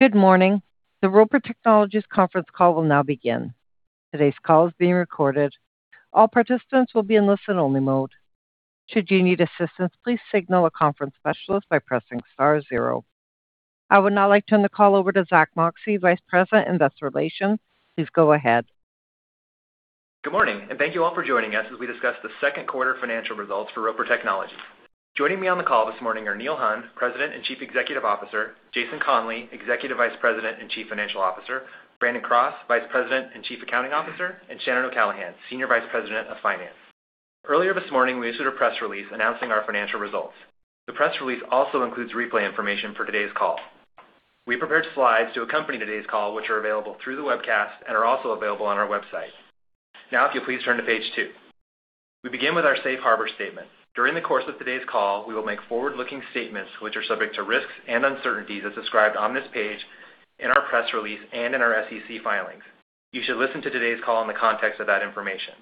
Good morning. The Roper Technologies conference call will now begin. Today's call is being recorded. All participants will be in listen-only mode. Should you need assistance, please signal a conference specialist by pressing star zero. I would now like to turn the call over to Zack Moxcey, Vice President, Investor Relations. Please go ahead. Good morning, and thank you all for joining us as we discuss the second quarter financial results for Roper Technologies. Joining me on the call this morning are Neil Hunn, President and Chief Executive Officer, Jason Conley, Executive Vice President and Chief Financial Officer, Brandon Cross, Vice President and Chief Accounting Officer, and Shannon O'Callaghan, Senior Vice President of Finance. Earlier this morning, we issued a press release announcing our financial results. The press release also includes replay information for today's call. We prepared slides to accompany today's call, which are available through the webcast and are also available on our website. Now, if you'll please turn to page two. We begin with our safe harbor statement. During the course of today's call, we will make forward-looking statements which are subject to risks and uncertainties as described on this page, in our press release, and in our SEC filings. You should listen to today's call in the context of that information.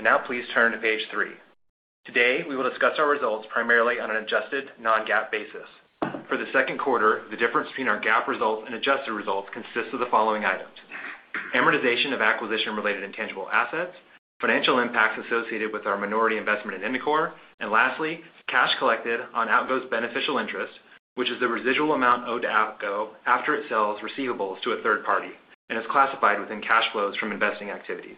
Now please turn to page three. Today, we will discuss our results primarily on an adjusted non-GAAP basis. For the second quarter, the difference between our GAAP results and adjusted results consists of the following items: amortization of acquisition-related intangible assets, financial impacts associated with our minority investment in Indicor, and lastly, cash collected on Outgo's beneficial interest, which is the residual amount owed to Outgo after it sells receivables to a third party and is classified within cash flows from investing activities.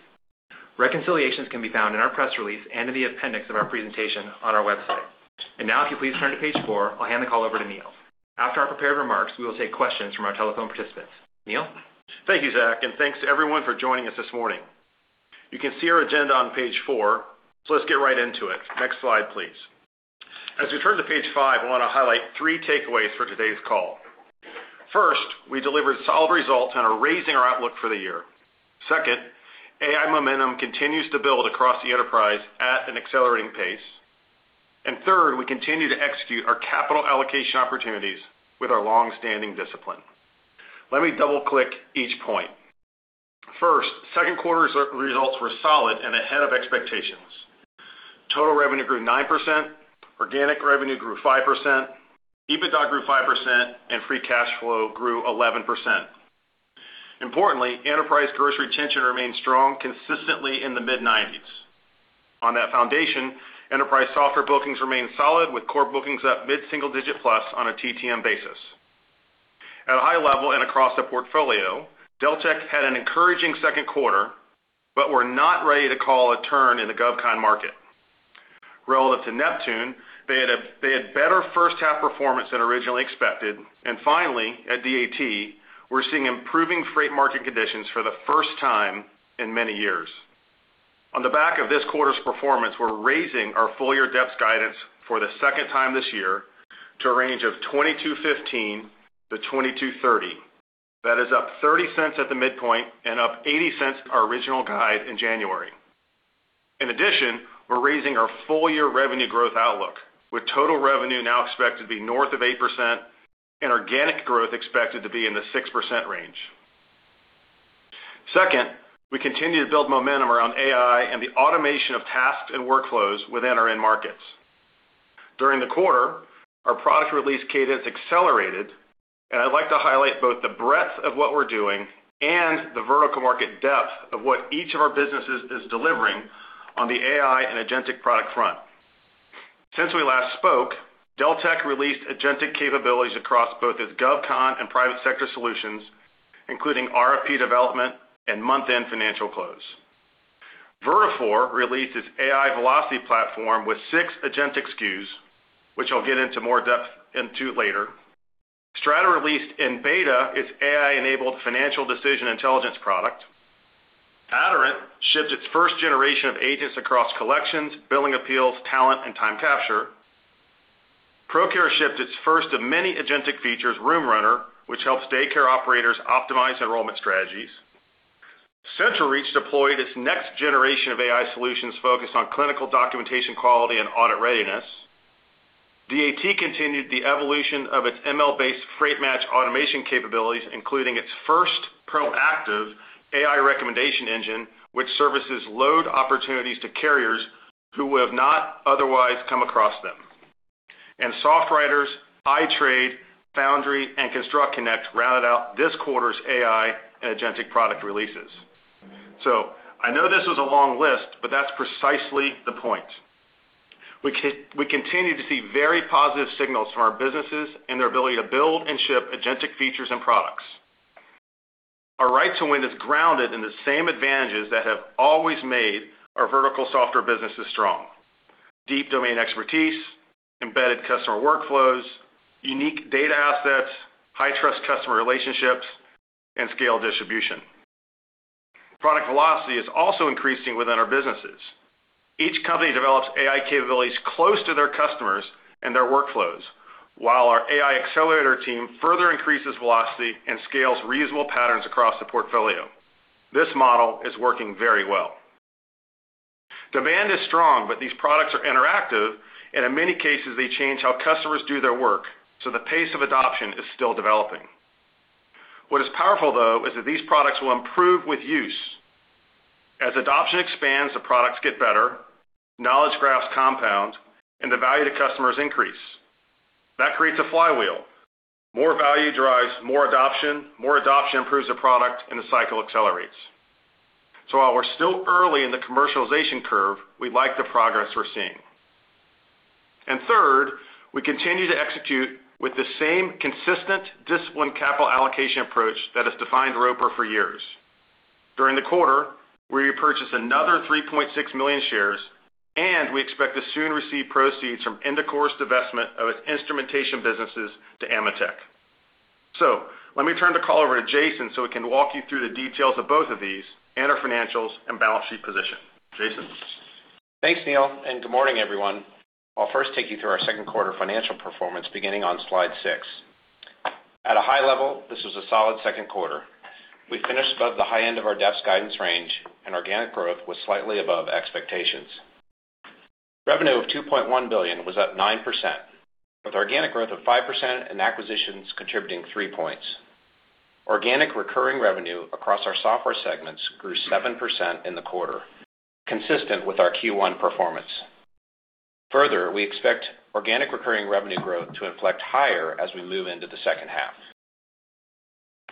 Reconciliations can be found in our press release and in the appendix of our presentation on our website. Now, if you please turn to page four, I'll hand the call over to Neil. After our prepared remarks, we will take questions from our telephone participants. Neil? Thank you, Zack, and thanks to everyone for joining us this morning. You can see our agenda on page four, so let's get right into it. Next slide, please. As we turn to page five, I want to highlight three takeaways for today's call. First, we delivered solid results and are raising our outlook for the year. Second, AI momentum continues to build across the enterprise at an accelerating pace. Third, we continue to execute our capital allocation opportunities with our long-standing discipline. Let me double-click each point. First, second quarter results were solid and ahead of expectations. Total revenue grew 9%, organic revenue grew 5%, EBITDA grew 5%, and free cash flow grew 11%. Importantly, enterprise gross retention remained strong, consistently in the mid-90s. On that foundation, enterprise software bookings remained solid with core bookings up mid-single digit plus on a TTM basis. At a high level and across the portfolio, Deltek had an encouraging second quarter, but we're not ready to call a turn in the GovCon market. Relative to Neptune, they had better first half performance than originally expected. Finally, at DAT, we're seeing improving freight market conditions for the first time in many years. On the back of this quarter's performance, we're raising our full-year DEPS guidance for the second time this year to a range of $22.15-$22.30. That is up $0.30 at the midpoint and up $0.80 our original guide in January. In addition, we're raising our full-year revenue growth outlook, with total revenue now expected to be north of 8% and organic growth expected to be in the 6% range. Second, we continue to build momentum around AI and the automation of tasks and workflows within our end markets. During the quarter, our product release cadence accelerated, and I'd like to highlight both the breadth of what we're doing and the vertical market depth of what each of our businesses is delivering on the AI and agentic product front. Since we last spoke, Deltek released agentic capabilities across both its GovCon and private sector solutions, including RFP development and month-end financial close. Vertafore released its AI Velocity platform with six agentic SKUs, which I'll get into more depth into later. Strata released in beta its AI-enabled financial decision intelligence product. Aderant shipped its first generation of agents across collections, billing appeals, talent, and time capture. Procare shipped its first of many agentic features, RoomRunner, which helps daycare operators optimize enrollment strategies. CentralReach deployed its next generation of AI solutions focused on clinical documentation quality and audit readiness. DAT continued the evolution of its ML-based freight match automation capabilities, including its first proactive AI recommendation engine, which services load opportunities to carriers who would have not otherwise come across them. SoftWriters, iTrade, Foundry, and ConstructConnect rounded out this quarter's AI and agentic product releases. I know this was a long list, but that's precisely the point. We continue to see very positive signals from our businesses and their ability to build and ship agentic features and products. Our right to win is grounded in the same advantages that have always made our vertical software businesses strong: deep domain expertise, embedded customer workflows, unique data assets, high-trust customer relationships, and scale distribution. Product velocity is also increasing within our businesses. Each company develops AI capabilities close to their customers and their workflows, while our AI accelerator team further increases velocity and scales reusable patterns across the portfolio. This model is working very well. Demand is strong, but these products are interactive, and in many cases, they change how customers do their work, so the pace of adoption is still developing. What is powerful, though, is that these products will improve with use. As adoption expands, the products get better, knowledge graphs compound, and the value to customers increase. That creates a flywheel. More value drives more adoption, more adoption improves the product, and the cycle accelerates. While we're still early in the commercialization curve, we like the progress we're seeing. Third, we continue to execute with the same consistent, disciplined capital allocation approach that has defined Roper for years. During the quarter, we repurchased another 3.6 million shares, and we expect to soon receive proceeds from Indicor's divestment of its instrumentation businesses to AMETEK. Let me turn the call over to Jason so he can walk you through the details of both of these and our financials and balance sheet position. Jason? Thanks, Neil, and good morning, everyone. I'll first take you through our second quarter financial performance beginning on slide six. At a high level, this was a solid second quarter. We finished above the high end of our DEPS guidance range, and organic growth was slightly above expectations. Revenue of $2.1 billion was up 9%, with organic growth of 5% and acquisitions contributing three points. Organic recurring revenue across our software segments grew 7% in the quarter, consistent with our Q1 performance. Further, we expect organic recurring revenue growth to inflect higher as we move into the second half.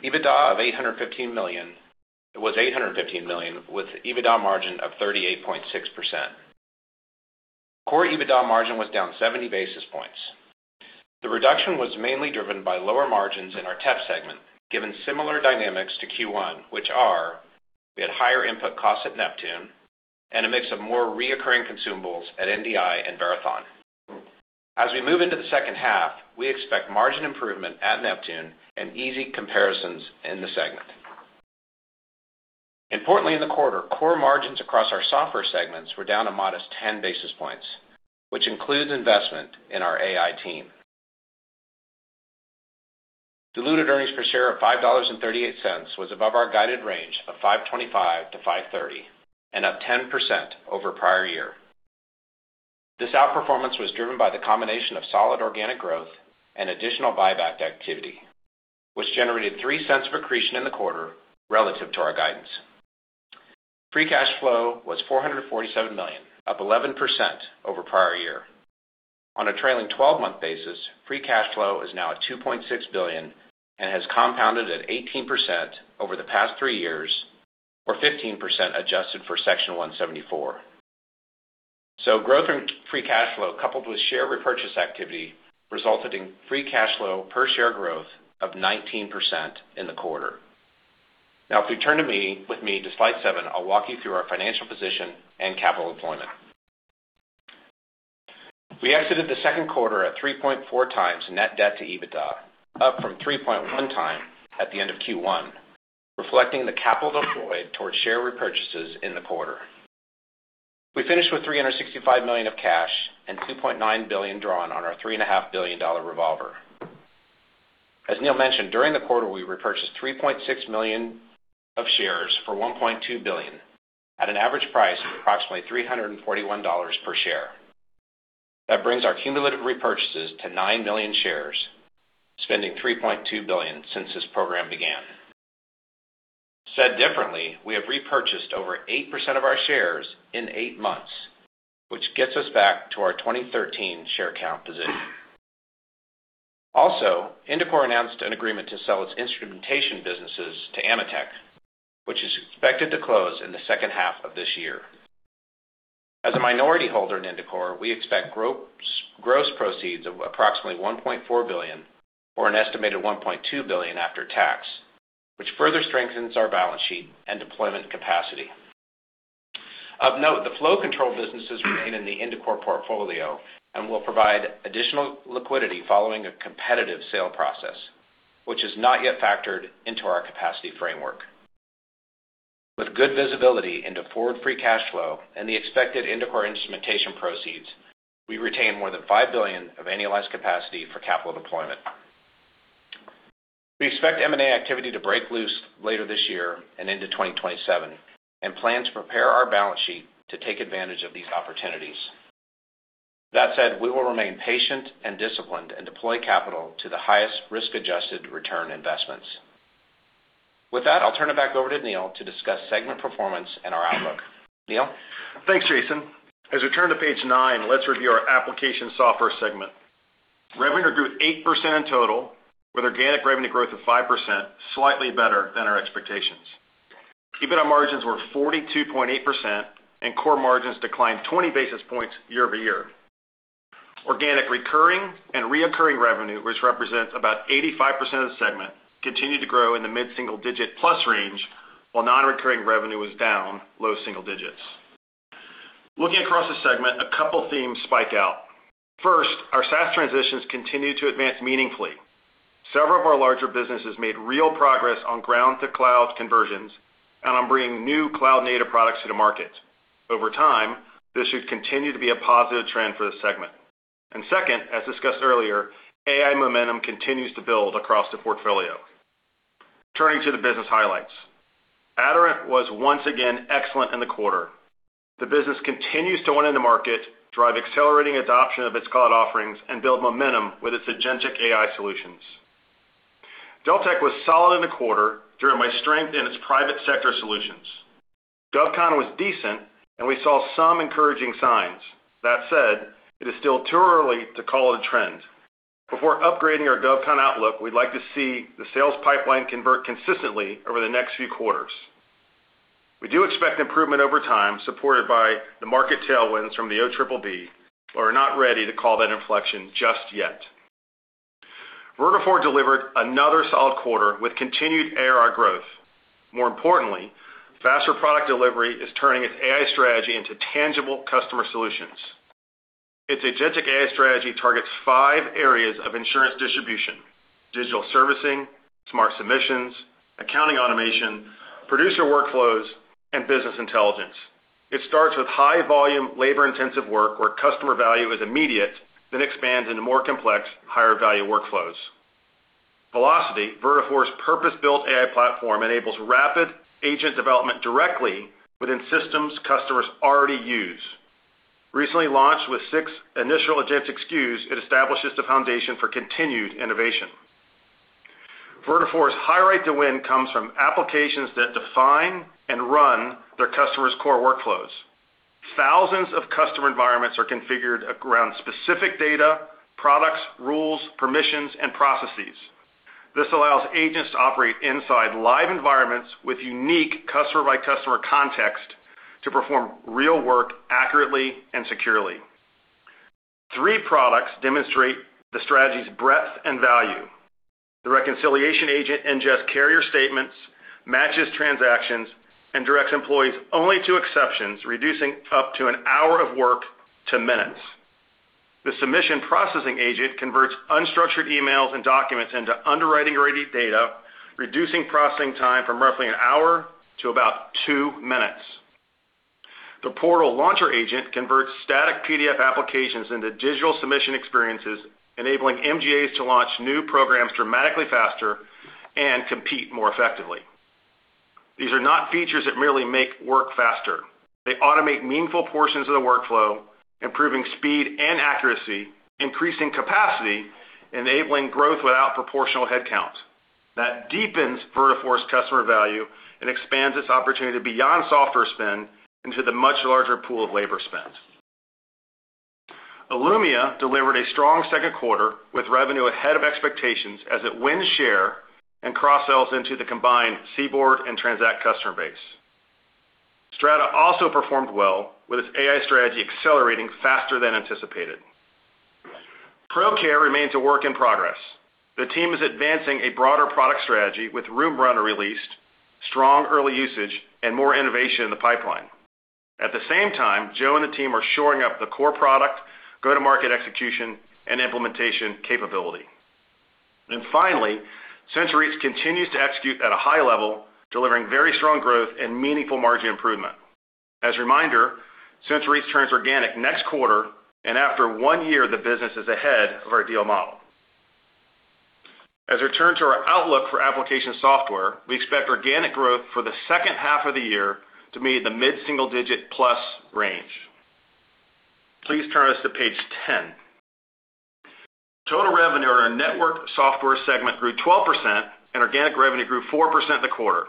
EBITDA was $815 million, with EBITDA margin of 38.6%. Core EBITDA margin was down 70 basis points. The reduction was mainly driven by lower margins in our TEP segment, given similar dynamics to Q1, which are: we had higher input costs at Neptune and a mix of more reoccurring consumables at NDI and Verathon. As we move into the second half, we expect margin improvement at Neptune and easy comparisons in the segment. Importantly, in the quarter, core margins across our software segments were down a modest 10 basis points, which includes investment in our AI team. Diluted earnings per share of $5.38 was above our guided range of $5.25 to $5.30, and up 10% over prior year. This outperformance was driven by the combination of solid organic growth and additional buyback activity, which generated $0.03 of accretion in the quarter relative to our guidance. Free cash flow was $447 million, up 11% over prior year. On a trailing 12-month basis, free cash flow is now at $2.6 billion and has compounded at 18% over the past three years or 15% adjusted for Section 174. Growth in free cash flow coupled with share repurchase activity resulted in free cash flow per share growth of 19% in the quarter. If you turn with me to slide seven, I'll walk you through our financial position and capital deployment. We exited the second quarter at 3.4x net debt to EBITDA, up from 3.1x at the end of Q1, reflecting the capital deployed towards share repurchases in the quarter. We finished with $365 million of cash and $2.9 billion drawn on our $3.5 billion revolver. As Neil mentioned, during the quarter, we repurchased $3.6 million of shares for $1.2 billion, at an average price of approximately $341 per share. That brings our cumulative repurchases to 9 million shares, spending $3.2 billion since this program began. Said differently, we have repurchased over 8% of our shares in eight months, which gets us back to our 2013 share count position. Also, Indicor announced an agreement to sell its instrumentation businesses to AMETEK, which is expected to close in the second half of this year. As a minority holder in Indicor, we expect gross proceeds of approximately $1.4 billion or an estimated $1.2 billion after tax, which further strengthens our balance sheet and deployment capacity. Of note, the flow control businesses remain in the Indicor portfolio and will provide additional liquidity following a competitive sale process, which is not yet factored into our capacity framework. With good visibility into forward free cash flow and the expected Indicor instrumentation proceeds, we retain more than $5 billion of annualized capacity for capital deployment. We expect M&A activity to break loose later this year and into 2027, plan to prepare our balance sheet to take advantage of these opportunities. That said, we will remain patient and disciplined and deploy capital to the highest risk-adjusted return investments. With that, I'll turn it back over to Neil to discuss segment performance and our outlook. Neil? Thanks, Jason. As we turn to page nine, let's review our application software segment. Revenue grew 8% in total, with organic revenue growth of 5%, slightly better than our expectations. EBITDA margins were 42.8%, and core margins declined 20 basis points year-over-year. Organic recurring and reoccurring revenue, which represents about 85% of the segment, continued to grow in the mid-single digit plus range, while non-recurring revenue was down low single digits. Looking across the segment, a couple themes spike out. First, our SaaS transitions continued to advance meaningfully. Several of our larger businesses made real progress on ground to cloud conversions and on bringing new cloud-native products to the market. Over time, this should continue to be a positive trend for the segment. Second, as discussed earlier, AI momentum continues to build across the portfolio. Turning to the business highlights. Aderant was once again excellent in the quarter. The business continues to win in the market, drive accelerating adoption of its cloud offerings, and build momentum with its agentic AI solutions. Deltek was solid in the quarter, driven by strength in its private sector solutions. GovCon was decent, and we saw some encouraging signs. That said, it is still too early to call it a trend. Before upgrading our GovCon outlook, we'd like to see the sales pipeline convert consistently over the next few quarters. We do expect improvement over time, supported by the market tailwinds from the OBBB, but we're not ready to call that inflection just yet. Vertafore delivered another solid quarter with continued ARR growth. More importantly, faster product delivery is turning its AI strategy into tangible customer solutions. Its agentic AI strategy targets five areas of insurance distribution: digital servicing, smart submissions, accounting automation, producer workflows, and business intelligence. It starts with high-volume, labor-intensive work where customer value is immediate, then expands into more complex, higher-value workflows. Velocity, Vertafore's purpose-built AI platform, enables rapid agent development directly within systems customers already use. Recently launched with six initial agentic SKUs, it establishes the foundation for continued innovation. Vertafore's high right to win comes from applications that define and run their customers' core workflows. Thousands of customer environments are configured around specific data, products, rules, permissions, and processes. This allows agents to operate inside live environments with unique customer-by-customer context to perform real work accurately and securely. Three products demonstrate the strategy's breadth and value. The reconciliation agent ingests carrier statements, matches transactions, and directs employees only to exceptions, reducing up to an hour of work to minutes. The submission processing agent converts unstructured emails and documents into underwriting-ready data, reducing processing time from roughly an hour to about two minutes. The portal launcher agent converts static PDF applications into digital submission experiences, enabling MGAs to launch new programs dramatically faster and compete more effectively. These are not features that merely make work faster. They automate meaningful portions of the workflow, improving speed and accuracy, increasing capacity, enabling growth without proportional headcount. That deepens Vertafore's customer value and expands its opportunity beyond software spend into the much larger pool of labor spend. ILumed delivered a strong second quarter, with revenue ahead of expectations as it wins share and cross-sells into the combined CBORD and Transact customer base. Strata also performed well, with its AI strategy accelerating faster than anticipated. Procare remains a work in progress. The team is advancing a broader product strategy, with RoomRunner released, strong early usage, and more innovation in the pipeline. At the same time, Joe and the team are shoring up the core product, go-to-market execution, and implementation capability. Finally, CentralReach continues to execute at a high level, delivering very strong growth and meaningful margin improvement. As a reminder, CentralReach turns organic next quarter, and after one year, the business is ahead of our deal model. As we turn to our outlook for application software, we expect organic growth for the second half of the year to be in the mid-single-digit plus range. Please turn us to page 10. Total revenue in our network software segment grew 12%, Organic revenue grew 4% in the quarter.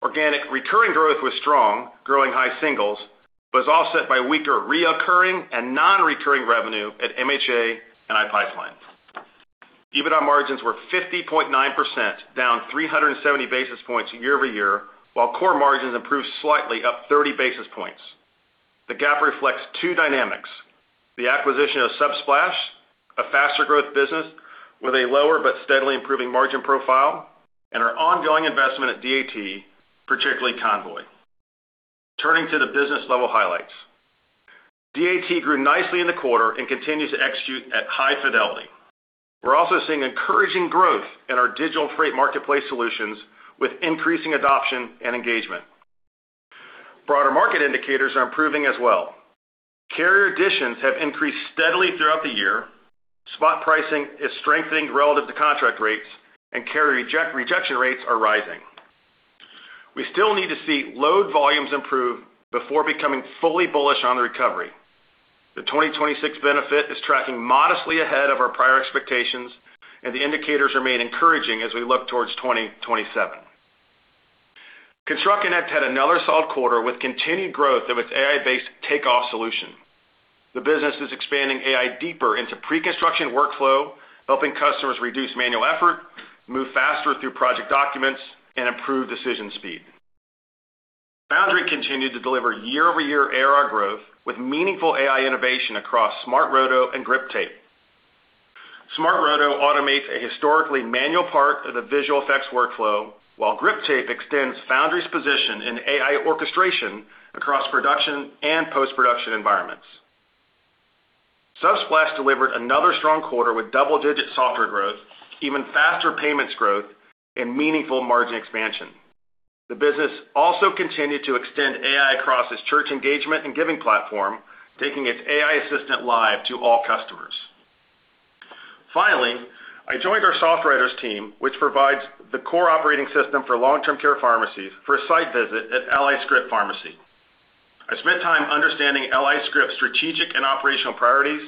Organic recurring growth was strong, growing high singles, was offset by weaker reoccurring and non-recurring revenue at MHA and iPipeline. EBITDA margins were 50.9%, down 370 basis points year-over-year, while core margins improved slightly, up 30 basis points. The gap reflects two dynamics: the acquisition of Subsplash, a faster growth business with a lower but steadily improving margin profile, and our ongoing investment at DAT, particularly Convoy. Turning to the business level highlights. DAT grew nicely in the quarter and continues to execute at high fidelity. We're also seeing encouraging growth in our digital freight marketplace solutions, with increasing adoption and engagement. Broader market indicators are improving as well. Carrier additions have increased steadily throughout the year, spot pricing is strengthening relative to contract rates, carrier rejection rates are rising. We still need to see load volumes improve before becoming fully bullish on the recovery. The 2026 benefit is tracking modestly ahead of our prior expectations, The indicators remain encouraging as we look towards 2027. ConstructConnect had another solid quarter, with continued growth of its AI-based takeoff solution. The business is expanding AI deeper into pre-construction workflow, helping customers reduce manual effort, move faster through project documents, and improve decision speed. Foundry continued to deliver year-over-year ARR growth with meaningful AI innovation across SmartRoto and Griptape. SmartRoto automates a historically manual part of the visual effects workflow, while Griptape extends Foundry's position in AI orchestration across production and post-production environments. Subsplash delivered another strong quarter with double-digit software growth, even faster payments growth, and meaningful margin expansion. The business also continued to extend AI across its church engagement and giving platform, taking its AI assistant live to all customers. Finally, I joined our SoftWriters team, which provides the core operating system for long-term care pharmacies for a site visit at LI Script Pharmacy. I spent time understanding LI Script's strategic and operational priorities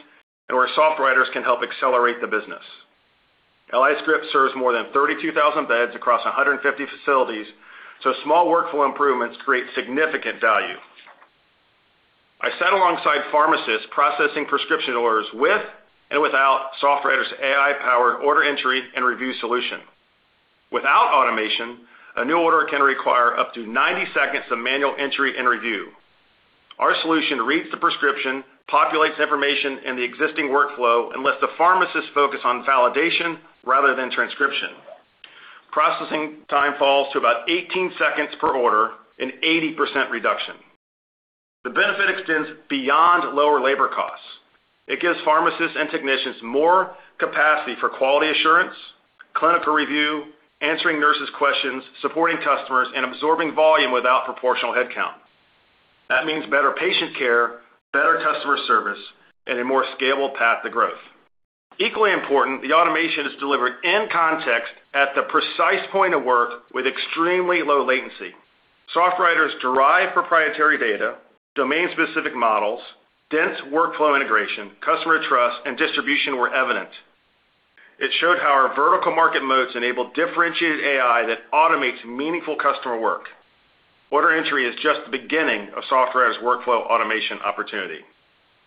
and where SoftWriters can help accelerate the business. LI Script serves more than 32,000 beds across 150 facilities, so small workflow improvements create significant value. I sat alongside pharmacists processing prescription orders with and without SoftWriters' AI-powered order entry and review solution. Without automation, a new order can require up to 90 seconds of manual entry and review. Our solution reads the prescription, populates information in the existing workflow, and lets the pharmacist focus on validation rather than transcription. Processing time falls to about 18 seconds per order, an 80% reduction. The benefit extends beyond lower labor costs. It gives pharmacists and technicians more capacity for quality assurance, clinical review, answering nurses' questions, supporting customers, and absorbing volume without proportional headcount. That means better patient care, better customer service, and a more scalable path to growth. Equally important, the automation is delivered in context at the precise point of work with extremely low latency. SoftWriters derive proprietary data, domain-specific models, dense workflow integration, customer trust, and distribution were evident. It showed how our vertical market modes enable differentiated AI that automates meaningful customer work. Order entry is just the beginning of SoftWriters' workflow automation opportunity.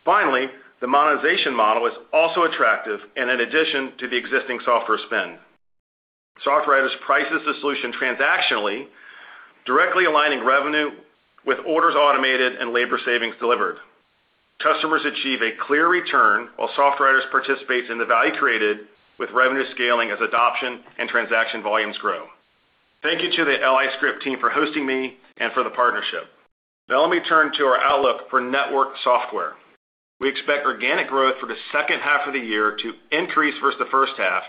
Finally, the monetization model is also attractive and in addition to the existing software spend. SoftWriters prices the solution transactionally, directly aligning revenue with orders automated and labor savings delivered. Customers achieve a clear return while SoftWriters participates in the value created with revenue scaling as adoption and transaction volumes grow. Thank you to the LI Script team for hosting me and for the partnership. Now let me turn to our outlook for network software. We expect organic growth for the second half of the year to increase versus the first half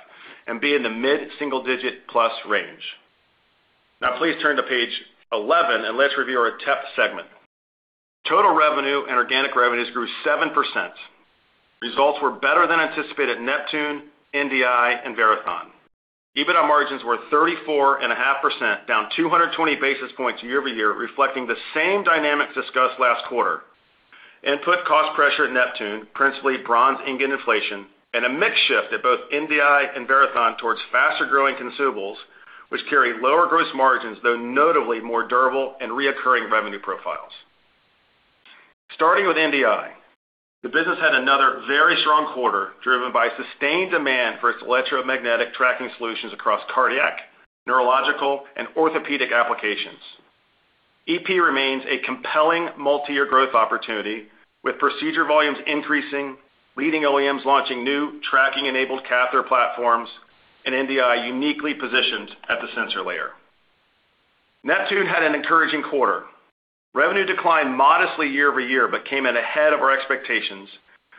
and be in the mid-single digit plus range. Please turn to page 11 and let's review our TEP segment. Total revenue and organic revenues grew 7%. Results were better than anticipated Neptune, NDI, and Verathon. EBITDA margins were 34.5% down 220 basis points year-over-year, reflecting the same dynamics discussed last quarter. Input cost pressure at Neptune, principally bronze ingot inflation, and a mix shift at both NDI and Verathon towards faster-growing consumables, which carry lower gross margins, though notably more durable and reoccurring revenue profiles. Starting with NDI, the business had another very strong quarter, driven by sustained demand for its electromagnetic tracking solutions across cardiac, neurological, and orthopedic applications. EP remains a compelling multi-year growth opportunity, with procedure volumes increasing, leading OEMs launching new tracking-enabled catheter platforms, and NDI uniquely positioned at the sensor layer. Neptune had an encouraging quarter. Revenue declined modestly year-over-year, but came in ahead of our expectations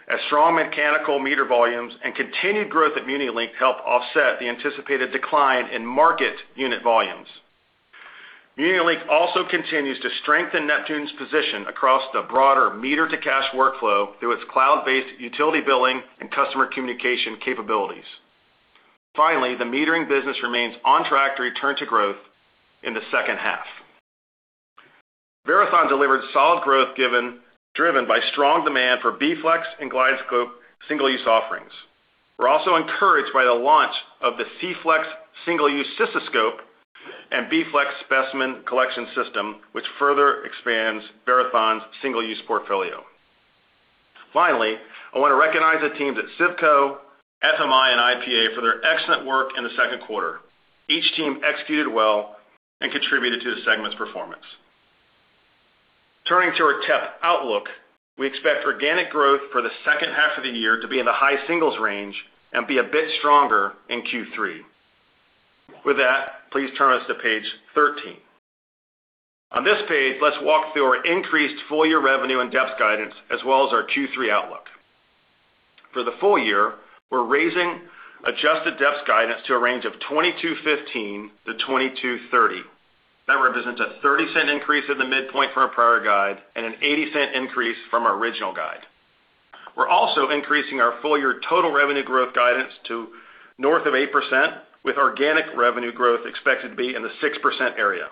as strong mechanical meter volumes and continued growth at Muni-Link helped offset the anticipated decline in market unit volumes. Muni-Link also continues to strengthen Neptune's position across the broader meter to cash workflow through its cloud-based utility billing and customer communication capabilities. The metering business remains on track to return to growth in the second half. Verathon delivered solid growth driven by strong demand for B-Flex and GlideScope single-use offerings. We're also encouraged by the launch of the C-Flex single-use cystoscope and B-Flex specimen collection system, which further expands Verathon's single-use portfolio. I want to recognize the teams at CIVCO, FMI, and IPA for their excellent work in the second quarter. Each team executed well and contributed to the segment's performance. Turning to our TEP outlook, we expect organic growth for the second half of the year to be in the high singles range and be a bit stronger in Q3. With that, please turn us to page 13. On this page, let's walk through our increased full-year revenue and DEPS guidance, as well as our Q3 outlook. For the full year, we're raising adjusted DEPS guidance to a range of $22.15-$22.30. That represents a $0.30 increase in the midpoint from our prior guide and a $0.80 increase from our original guide. We're also increasing our full-year total revenue growth guidance to north of 8%, with organic revenue growth expected to be in the 6% area.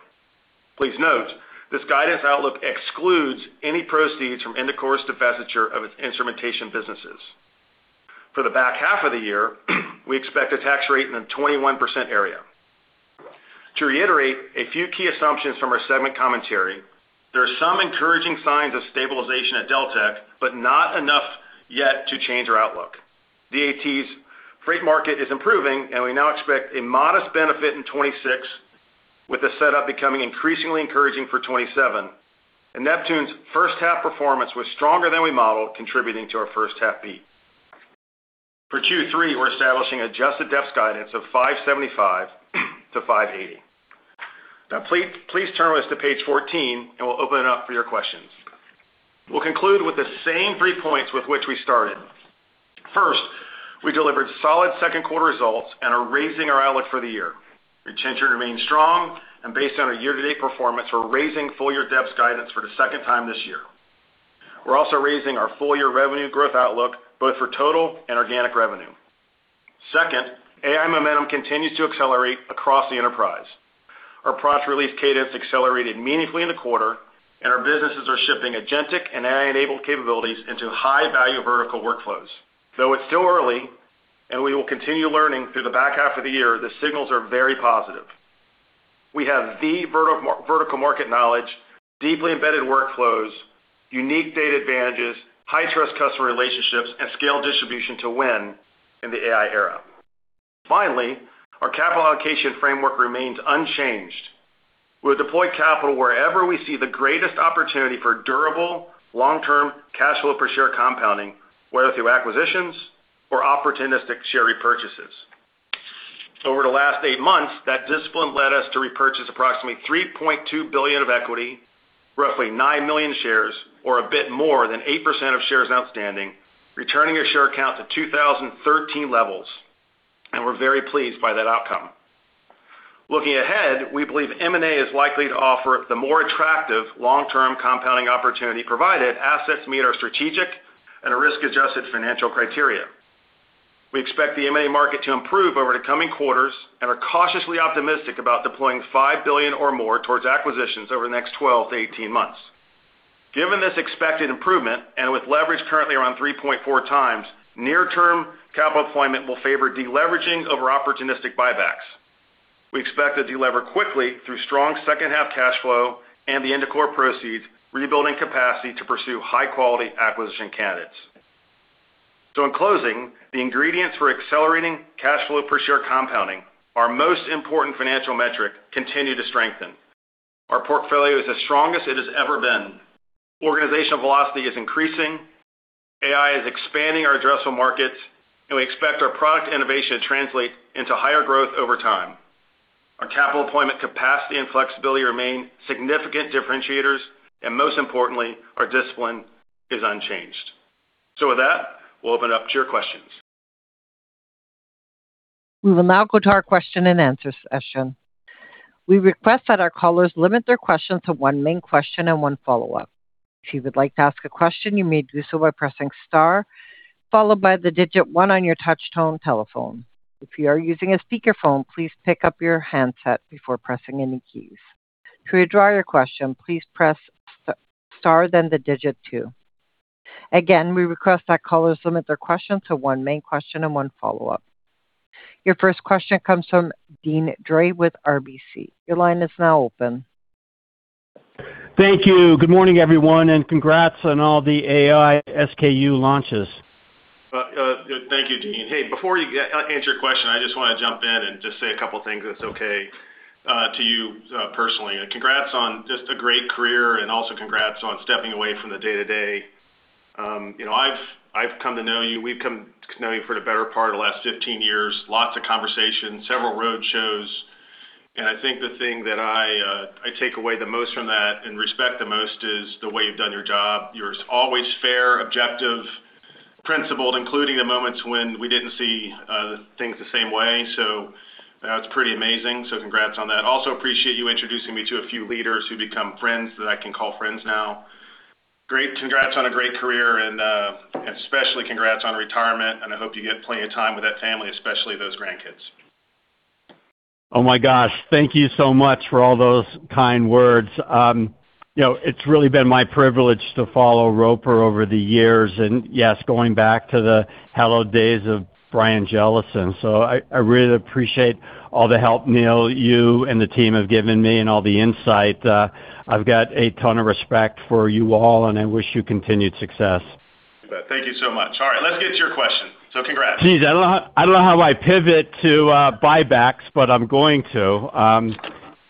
Please note, this guidance outlook excludes any proceeds from Indicor's divestiture of its instrumentation businesses. For the back half of the year, we expect a tax rate in the 21% area. To reiterate a few key assumptions from our segment commentary, there are some encouraging signs of stabilization at Deltek, but not enough yet to change our outlook. DAT's freight market is improving, and we now expect a modest benefit in 2026, with the setup becoming increasingly encouraging for 2027, and Neptune's first half performance was stronger than we modeled contributing to our first half beat. For Q3, we're establishing adjusted DEPS guidance of $5.75-$5.80. Please turn with us to page 14, and we'll open it up for your questions. We'll conclude with the same three points with which we started. First, we delivered solid second quarter results and are raising our outlook for the year. Retention remains strong, and based on our year-to-date performance, we're raising full-year DEPS guidance for the second time this year. We're also raising our full-year revenue growth outlook, both for total and organic revenue. Second, AI momentum continues to accelerate across the enterprise. Our product release cadence accelerated meaningfully in the quarter, and our businesses are shipping agentic and AI-enabled capabilities into high-value vertical workflows. Though it's still early, and we will continue learning through the back half of the year, the signals are very positive. We have the vertical market knowledge, deeply embedded workflows, unique data advantages, high-trust customer relationships, and scale distribution to win in the AI era. Our capital allocation framework remains unchanged. We'll deploy capital wherever we see the greatest opportunity for durable, long-term cash flow per share compounding, whether through acquisitions or opportunistic share repurchases. Over the last eight months, that discipline led us to repurchase approximately $3.2 billion of equity, roughly 9 million shares, or a bit more than 8% of shares outstanding, returning our share count to 2013 levels. We're very pleased by that outcome. Looking ahead, we believe M&A is likely to offer the more attractive long-term compounding opportunity, provided assets meet our strategic and risk-adjusted financial criteria. We expect the M&A market to improve over the coming quarters and are cautiously optimistic about deploying $5 billion or more towards acquisitions over the next 12-18 months. Given this expected improvement, with leverage currently around 3.4x, near-term capital deployment will favor de-leveraging over opportunistic buybacks. We expect to de-lever quickly through strong second-half cash flow and the Indicor proceeds, rebuilding capacity to pursue high-quality acquisition candidates. In closing, the ingredients for accelerating cash flow per share compounding, our most important financial metric, continue to strengthen. Our portfolio is the strongest it has ever been. Organizational velocity is increasing. AI is expanding our addressable markets, and we expect our product innovation to translate into higher growth over time. Our capital deployment capacity and flexibility remain significant differentiators, most importantly, our discipline is unchanged. With that, we'll open up to your questions. We will now go to our question and answer session. We request that our callers limit their questions to one main question and one follow-up. If you would like to ask a question, you may do so by pressing star, followed by the digit one on your touch-tone telephone. If you are using a speakerphone, please pick up your handset before pressing any keys. To withdraw your question, please press star, then the digit two. Again, we request that callers limit their question to one main question and one follow-up. Your first question comes from Deane Dray with RBC. Your line is now open. Thank you. Good morning, everyone, congrats on all the AI SKU launches. Thank you, Deane. Hey, before you answer your question, I just want to jump in and just say a couple of things, if it's okay, to you personally. Congrats on just a great career and also congrats on stepping away from the day-to-day. I've come to know you, we've come to know you for the better part of the last 15 years, lots of conversations, several road shows. I think the thing that I take away the most from that and respect the most is the way you've done your job. You're always fair, objective, principled, including the moments when we didn't see things the same way. That's pretty amazing. Congrats on that. Appreciate you introducing me to a few leaders who become friends that I can call friends now. Congrats on a great career. Especially congrats on retirement, and I hope you get plenty of time with that family, especially those grandkids. Oh my gosh. Thank you so much for all those kind words. It's really been my privilege to follow Roper over the years, and yes, going back to the hallowed days of Brian Jellison. I really appreciate all the help, Neil, you and the team have given me and all the insight. I've got a ton of respect for you all, and I wish you continued success. Thank you so much. All right. Let's get to your question. Congrats. Geez, I don't know how I pivot to buybacks, I'm going to.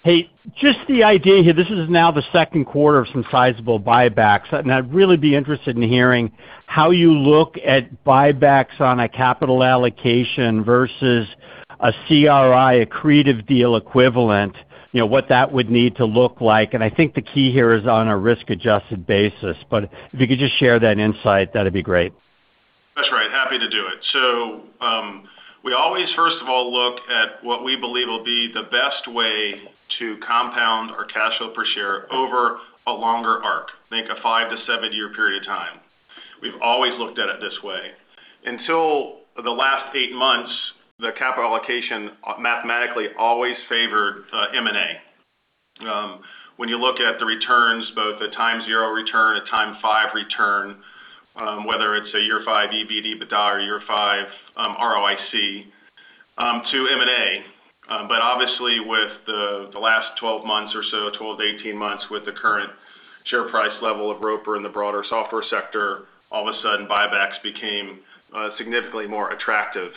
Hey, just the idea here, this is now the second quarter of some sizable buybacks, I'd really be interested in hearing how you look at buybacks on a capital allocation versus a CRI, accretive deal equivalent, what that would need to look like. I think the key here is on a risk-adjusted basis, but if you could just share that insight, that'd be great. That's right. Happy to do it. We always, first of all, look at what we believe will be the best way to compound our cash flow per share over a longer arc, think a five to seven-year period of time. We've always looked at it this way. Until the last eight months, the capital allocation mathematically always favored M&A. When you look at the returns, both a time zero return, a time five return, whether it's a year five EBITDA, or year five ROIC, to M&A. Obviously, with the last 12 months or so, 12-18 months with the current share price level of Roper in the broader software sector, all of a sudden, buybacks became significantly more attractive.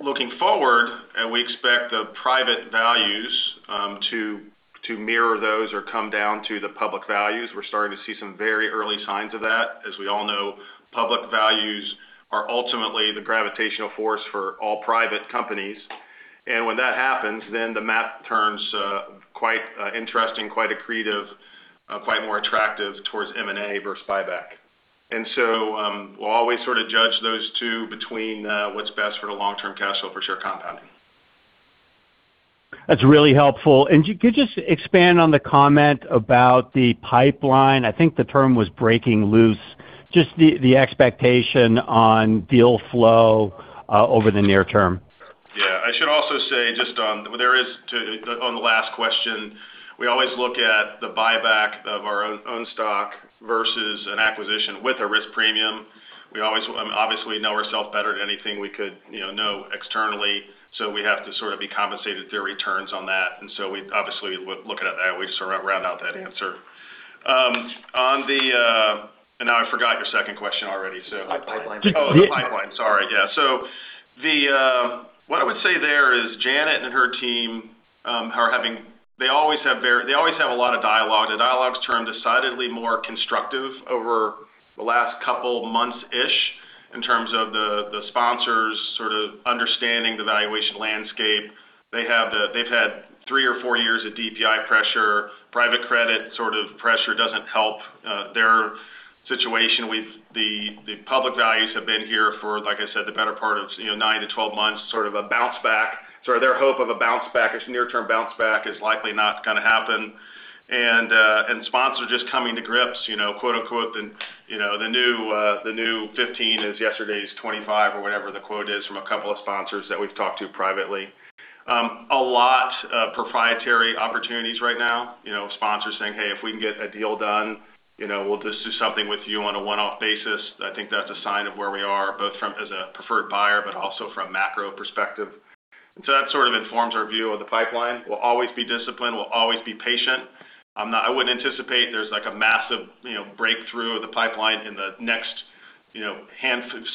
Looking forward, we expect the private values to mirror those or come down to the public values. We're starting to see some very early signs of that. As we all know, public values are ultimately the gravitational force for all private companies. When that happens, the math turns quite interesting, quite accretive, quite more attractive towards M&A versus buyback. We'll always sort of judge those two between what's best for the long-term cash flow per share compounding. That's really helpful. Could you just expand on the comment about the pipeline? I think the term was breaking loose, just the expectation on deal flow over the near term. Yeah. I should also say, on the last question, we always look at the buyback of our own stock versus an acquisition with a risk premium. We obviously know ourself better than anything we could know externally, so we have to sort of be compensated through returns on that. We obviously look at that, and we sort of round out that answer. I forgot your second question already. Pipeline. Oh, the pipeline. Sorry. Yeah. What I would say there is Janet and her team, they always have a lot of dialogue. The dialogue's turned decidedly more constructive over the last couple of months-ish in terms of the sponsors sort of understanding the valuation landscape. They've had three or four years of DPI pressure. Private credit sort of pressure doesn't help their situation with the public values have been here for, like I said, the better part of 9-12 months, sort of a bounce back. Sort of their hope of a bounce back, this near-term bounce back is likely not going to happen. Sponsors just coming to grips, "The new 15 is yesterday's 25" or whatever the quote is from a couple of sponsors that we've talked to privately. A lot of proprietary opportunities right now. Sponsors saying, "Hey, if we can get a deal done, we'll just do something with you on a one-off basis." I think that's a sign of where we are, both as a preferred buyer, but also from a macro perspective. That sort of informs our view of the pipeline. We'll always be disciplined, we'll always be patient. I wouldn't anticipate there's like a massive breakthrough of the pipeline in the next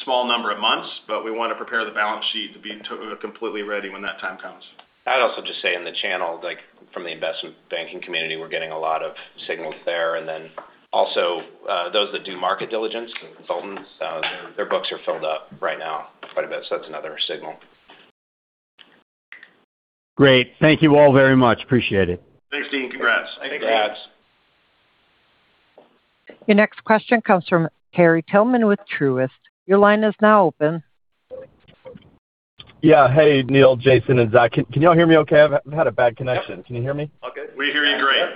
small number of months, but we want to prepare the balance sheet to be completely ready when that time comes. I'd also just say in the channel, like from the investment banking community, we're getting a lot of signals there. Those that do market diligence and consultants, their books are filled up right now quite a bit. That's another signal. Great. Thank you all very much. Appreciate it. Thanks, Deane. Congrats. Congrats. Your next question comes from Terry Tillman with Truist. Your line is now open. Hey, Neil, Jason, and Zack. Can you all hear me okay? I've had a bad connection. Can you hear me? All good. We hear you great.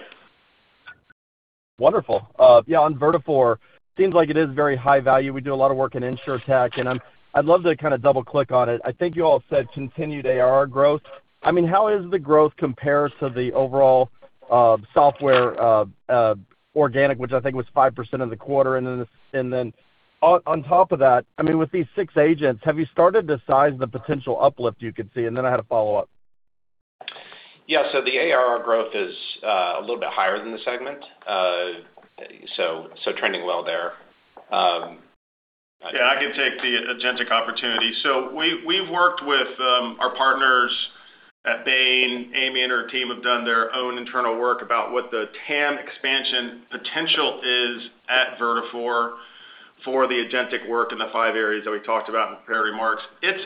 On Vertafore, seems like it is very high value. We do a lot of work in insurtech, and I'd love to kind of double-click on it. I think you all said continued ARR growth. How has the growth compared to the overall software organic, which I think was 5% of the quarter? Then on top of that, with these six agents, have you started to size the potential uplift you could see? Then I had a follow-up. The ARR growth is a little bit higher than the segment. Trending well there. I can take the agentic opportunity. We've worked with our partners at Bain. Amy and her team have done their own internal work about what the TAM expansion potential is at Vertafore for the agentic work in the five areas that we talked about in the prepared remarks. It's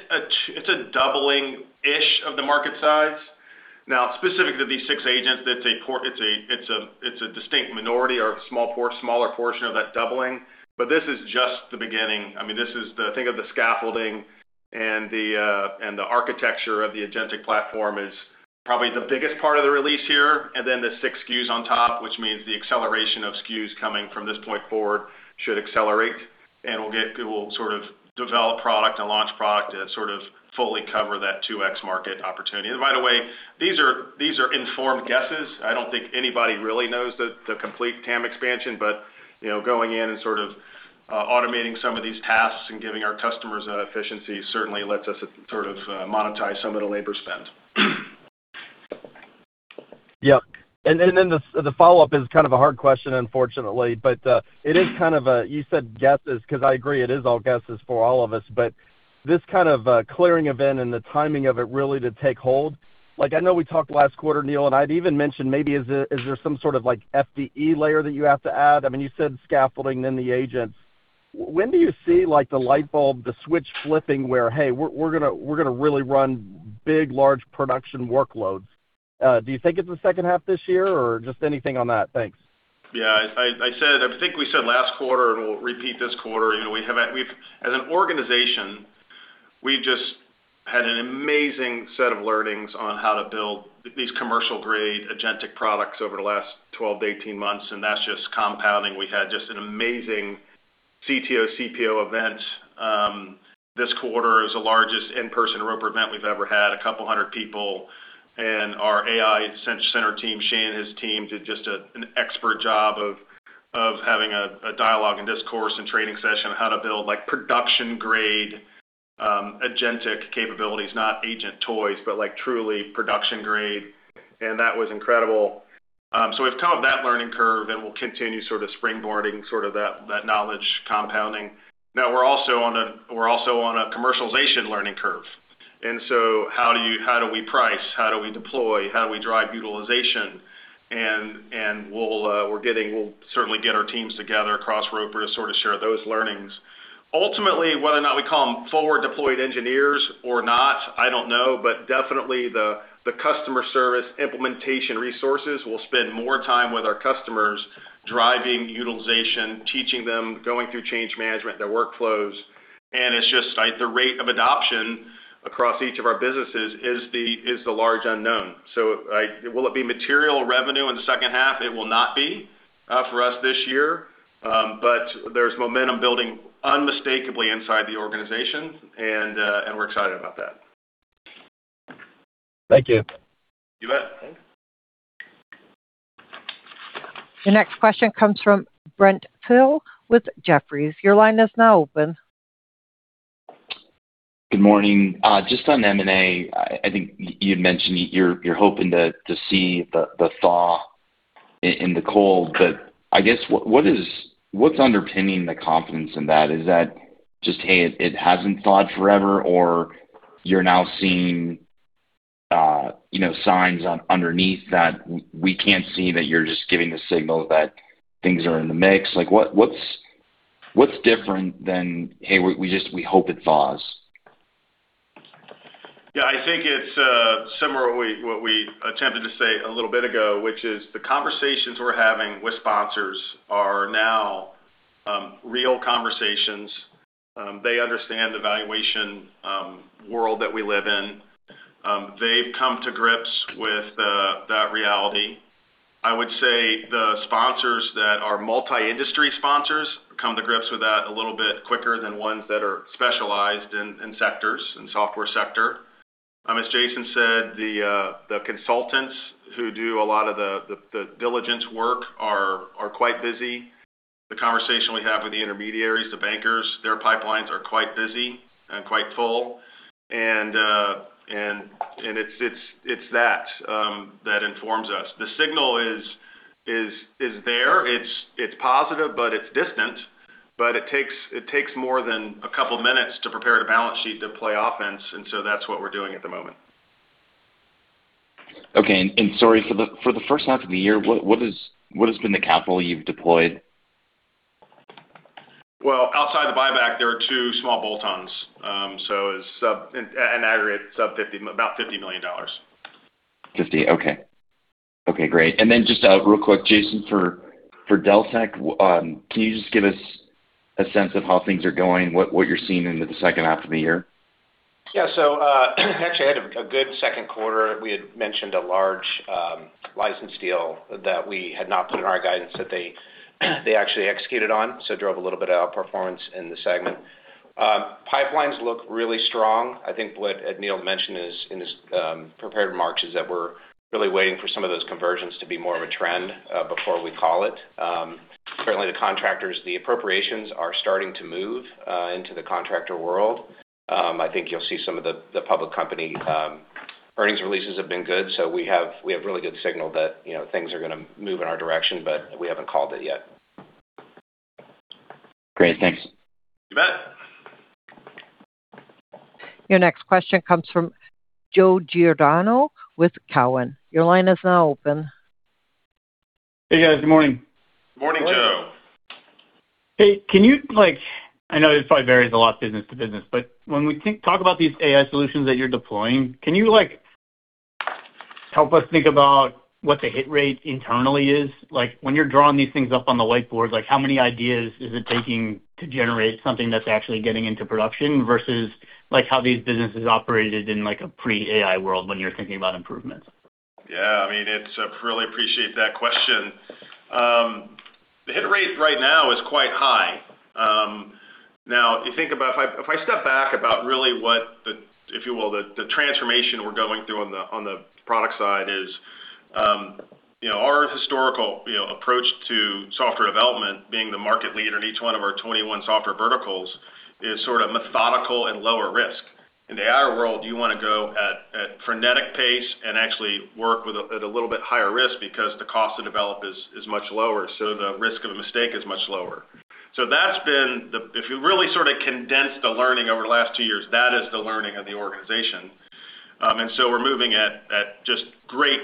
a doubling-ish of the market size. Now, specific to these six agents, it's a distinct minority or smaller portion of that doubling. This is just the beginning. Think of the scaffolding and the architecture of the agentic platform is probably the biggest part of the release here, and then the six SKUs on top, which means the acceleration of SKUs coming from this point forward should accelerate, and we'll sort of develop product and launch product to sort of fully cover that 2x market opportunity. By the way, these are informed guesses. I don't think anybody really knows the complete TAM expansion, going in and sort of automating some of these tasks and giving our customers that efficiency certainly lets us sort of monetize some of the labor spend. Yeah. Then the follow-up is kind of a hard question, unfortunately, but it is kind of you said guesses, because I agree it is all guesses for all of us, but this kind of clearing event and the timing of it really to take hold. I know we talked last quarter, Neil, I'd even mentioned maybe is there some sort of like FDE layer that you have to add? You said scaffolding, then the agents. When do you see the light bulb, the switch flipping where, hey, we're going to really run big, large production workloads? Do you think it's the second half this year or just anything on that? Thanks. Yeah. I think we said last quarter, and we'll repeat this quarter, as an organization, we've just had an amazing set of learnings on how to build these commercial-grade agentic products over the last 12-18 months, and that's just compounding. We had just an amazing CTO, CPO event. This quarter is the largest in-person Roper event we've ever had, a couple hundred people. Our AI center team, Shane and his team did just an expert job of having a dialogue and discourse and training session on how to build production-grade agentic capabilities, not agent toys, but like truly production-grade. That was incredible. We've come up that learning curve, and we'll continue sort of springboarding sort of that knowledge compounding. Now we're also on a commercialization learning curve. How do we price? How do we deploy? How do we drive utilization? We'll certainly get our teams together across Roper to sort of share those learnings. Ultimately, whether or not we call them forward deployed engineers or not, I don't know, but definitely the customer service implementation resources will spend more time with our customers driving utilization, teaching them, going through change management, their workflows. It's just the rate of adoption across each of our businesses is the large unknown. Will it be material revenue in the second half? It will not be for us this year. There's momentum building unmistakably inside the organization, and we're excited about that. Thank you. You bet. The next question comes from Brent Thill with Jefferies. Your line is now open. Good morning. Just on M&A, I think you had mentioned you're hoping to see the thaw in the cold, but I guess what's underpinning the confidence in that? Is that just, hey, it hasn't thawed forever, or you're now seeing signs underneath that we can't see, that you're just giving the signal that things are in the mix? What's different than, "Hey, we hope it thaws? Yeah, I think it's similar what we attempted to say a little bit ago, which is the conversations we're having with sponsors are now real conversations. They understand the valuation world that we live in. They've come to grips with that reality. I would say the sponsors that are multi-industry sponsors come to grips with that a little bit quicker than ones that are specialized in sectors, in software sector. As Jason said, the consultants who do a lot of the diligence work are quite busy. The conversation we have with the intermediaries, the bankers, their pipelines are quite busy and quite full. It's that that informs us. The signal is there. It's positive, but it's distant. It takes more than a couple minutes to prepare the balance sheet to play offense. That's what we're doing at the moment. Okay. Sorry, for the first half of the year, what has been the capital you've deployed? Well, outside the buyback, there are two small bolt-ons. An aggregate sub $50 million. 50, okay. Okay, great. Just real quick, Jason, for Deltek, can you just give us a sense of how things are going, what you're seeing into the second half of the year? Yeah. Actually had a good second quarter. We had mentioned a large license deal that we had not put in our guidance that they actually executed on. Drove a little bit of outperformance in the segment. Pipelines look really strong. I think what Neil mentioned in his prepared remarks is that we're really waiting for some of those conversions to be more of a trend before we call it. Certainly, the contractors, the appropriations are starting to move into the contractor world. I think you'll see some of the public company earnings releases have been good. We have really good signal that things are going to move in our direction, but we haven't called it yet. Great. Thanks. You bet. Your next question comes from Joe Giordano with Cowen. Your line is now open. Hey, guys. Good morning. Morning, Joe. Hey, can you I know this probably varies a lot business to business, but when we talk about these AI solutions that you're deploying, can you help us think about what the hit rate internally is? When you're drawing these things up on the whiteboard, how many ideas is it taking to generate something that's actually getting into production versus how these businesses operated in a pre-AI world when you're thinking about improvements? Yeah. I really appreciate that question. The hit rate right now is quite high. If I step back about really what the, if you will, the transformation we're going through on the product side is, our historical approach to software development being the market leader in each one of our 21 software verticals is sort of methodical and lower risk. In the AI world, you want to go at frenetic pace and actually work with a little bit higher risk because the cost to develop is much lower, so the risk of a mistake is much lower. If you really sort of condense the learning over the last two years, that is the learning of the organization. We're moving at just great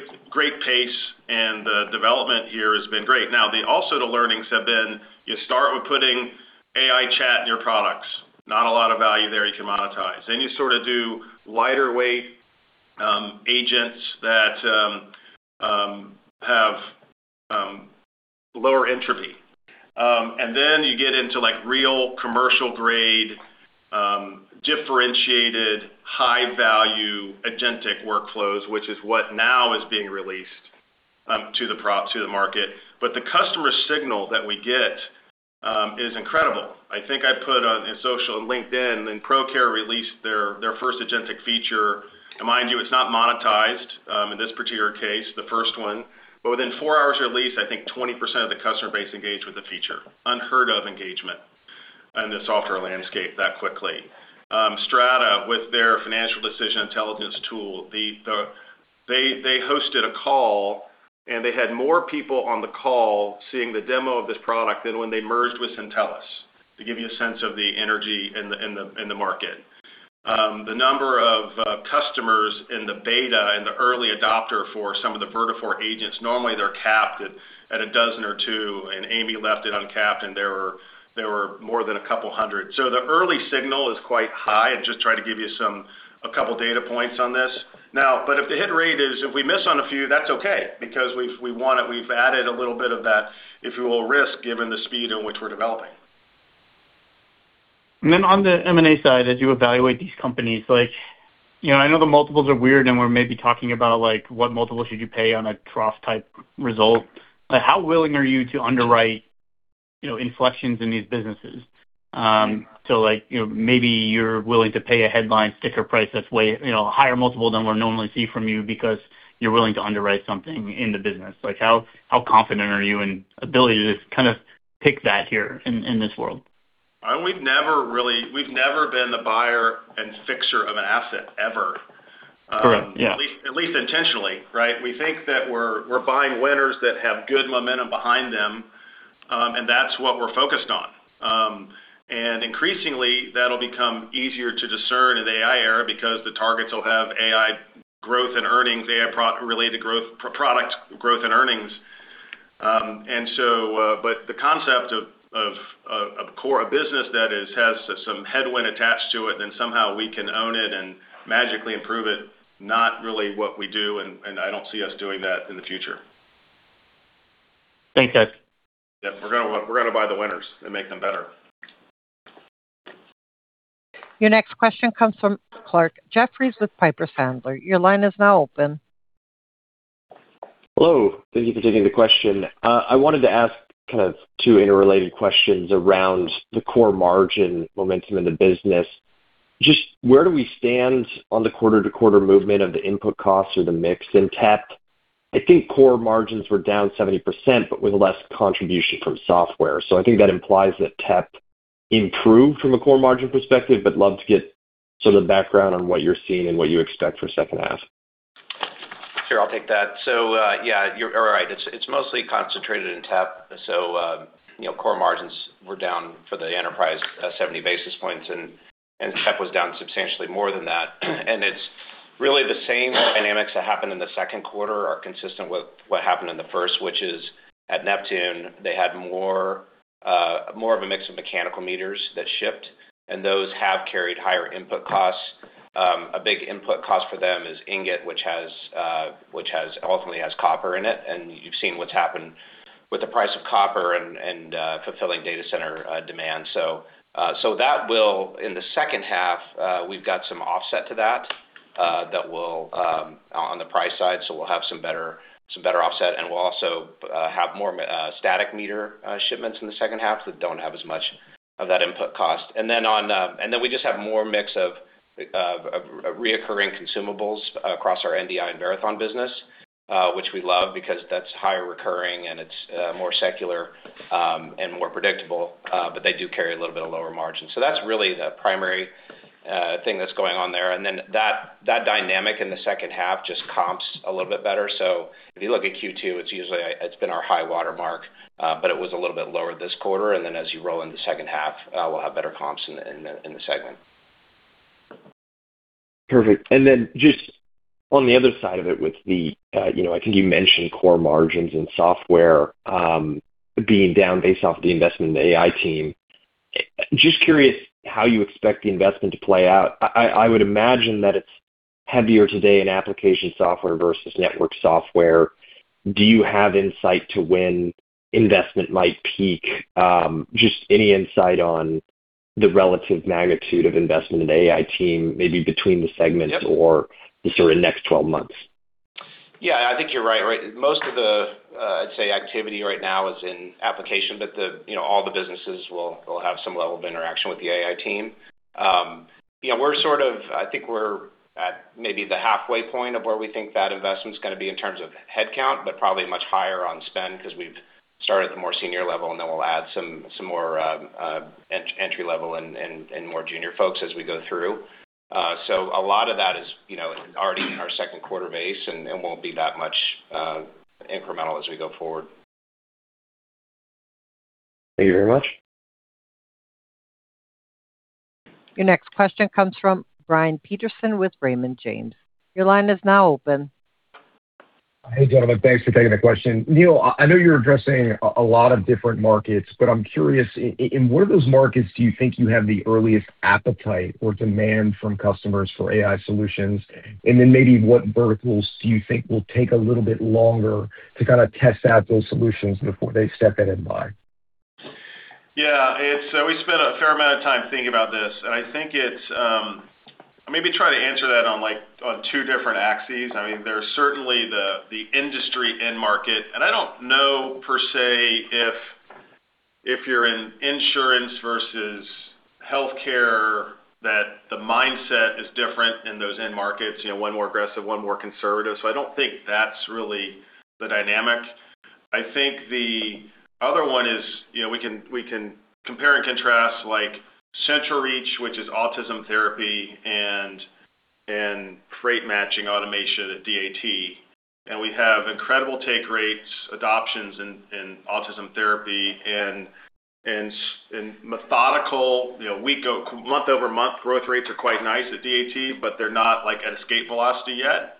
pace, and the development here has been great. The learnings have been, you start with putting AI chat in your products. Not a lot of value there you can monetize. Then you sort of do lighter weight agents that have lower entropy. You get into real commercial-grade, differentiated, high-value agentic workflows, which is what now is being released to the market. The customer signal that we get is incredible. I think I put on social, on LinkedIn, when Procare released their first agentic feature. Mind you, it's not monetized in this particular case, the first one. Within four hours of release, I think 20% of the customer base engaged with the feature. Unheard-of engagement in the software landscape that quickly. Strata, with their financial decision intelligence tool, they hosted a call, and they had more people on the call seeing the demo of this product than when they merged with Syntellis, to give you a sense of the energy in the market. The number of customers in the beta and the early adopter for some of the Vertafore agents, normally they're capped at a dozen or two, and Amy left it uncapped, and there were more than a couple hundred. The early signal is quite high. I'm just trying to give you a couple data points on this. If the hit rate is, if we miss on a few, that's okay because we've added a little bit of that, if you will, risk given the speed in which we're developing. On the M&A side, as you evaluate these companies, I know the multiples are weird, and we're maybe talking about what multiples should you pay on a trough type result. How willing are you to underwrite inflections in these businesses? Maybe you're willing to pay a headline sticker price that's way higher multiple than we'll normally see from you because you're willing to underwrite something in the business. How confident are you in ability to kind of pick that here in this world? We've never been the buyer and fixer of an asset, ever. Correct. Yeah. At least intentionally, right? We think that we're buying winners that have good momentum behind them, and that's what we're focused on. Increasingly, that'll become easier to discern in the AI era because the targets will have AI growth and earnings, AI related growth products, growth and earnings. The concept of a business that has some headwind attached to it, then somehow we can own it and magically improve it, not really what we do, and I don't see us doing that in the future. Thanks, guys. Yep. We're going to buy the winners and make them better. Your next question comes from Clarke Jeffries with Piper Sandler. Your line is now open. Hello. Thank you for taking the question. I wanted to ask kind of two interrelated questions around the core margin momentum in the business. Just where do we stand on the quarter-to-quarter movement of the input costs or the mix in TEP? I think core margins were down 70%, but with less contribution from software. I think that implies that TEP improved from a core margin perspective, but love to get sort of the background on what you're seeing and what you expect for the second half. Sure. I'll take that. Yeah, you're right. It's mostly concentrated in TEP. Core margins were down for the enterprise 70 basis points, and TEP was down substantially more than that. It's really the same dynamics that happened in the second quarter are consistent with what happened in the first, which is at Neptune, they had more of a mix of mechanical meters that shipped, and those have carried higher input costs. A big input cost for them is ingot, which ultimately has copper in it. You've seen what's happened with the price of copper and fulfilling data center demand. That will, in the second half, we've got some offset to that on the price side. We'll have some better offset, and we'll also have more static meter shipments in the second half that don't have as much of that input cost. We just have more mix of reoccurring consumables across our NDI and Verathon business, which we love because that's higher recurring and it's more secular and more predictable, but they do carry a little bit of lower margin. That's really the primary thing that's going on there. That dynamic in the second half just comps a little bit better. If you look at Q2, it's been our high water mark, but it was a little bit lower this quarter. As you roll into the second half, we'll have better comps in the segment. Perfect. Then just on the other side of it with the, I think you mentioned core margins and software, being down based off the investment in the AI team. Just curious how you expect the investment to play out. I would imagine that it's heavier today in application software versus network software. Do you have insight to when investment might peak? Just any insight on the relative magnitude of investment in AI team, maybe between the segments or the sort of next 12 months. Yeah, I think you're right. Most of the, I'd say, activity right now is in application, but all the businesses will have some level of interaction with the AI team. I think we're at maybe the halfway point of where we think that investment's going to be in terms of headcount, but probably much higher on spend because we've started at the more senior level, then we'll add some more entry level and more junior folks as we go through. A lot of that is already in our second quarter base and won't be that much incremental as we go forward. Thank you very much. Your next question comes from Brian Peterson with Raymond James. Your line is now open. Hey, gentlemen, thanks for taking the question. Neil, I know you're addressing a lot of different markets, but I'm curious, in what of those markets do you think you have the earliest appetite or demand from customers for AI solutions? Maybe what verticals do you think will take a little bit longer to kind of test out those solutions before they step in and buy? Yeah. We spent a fair amount of time thinking about this, and I think I'll maybe try to answer that on two different axes. There's certainly the industry end market, and I don't know per se if you're in insurance versus healthcare, that the mindset is different in those end markets. One more aggressive, one more conservative. I don't think that's really the dynamic. I think the other one is, we can compare and contrast like CentralReach, which is autism therapy and freight matching automation at DAT. We have incredible take rates, adoptions in autism therapy and methodical month-over-month growth rates are quite nice at DAT, but they're not at escape velocity yet.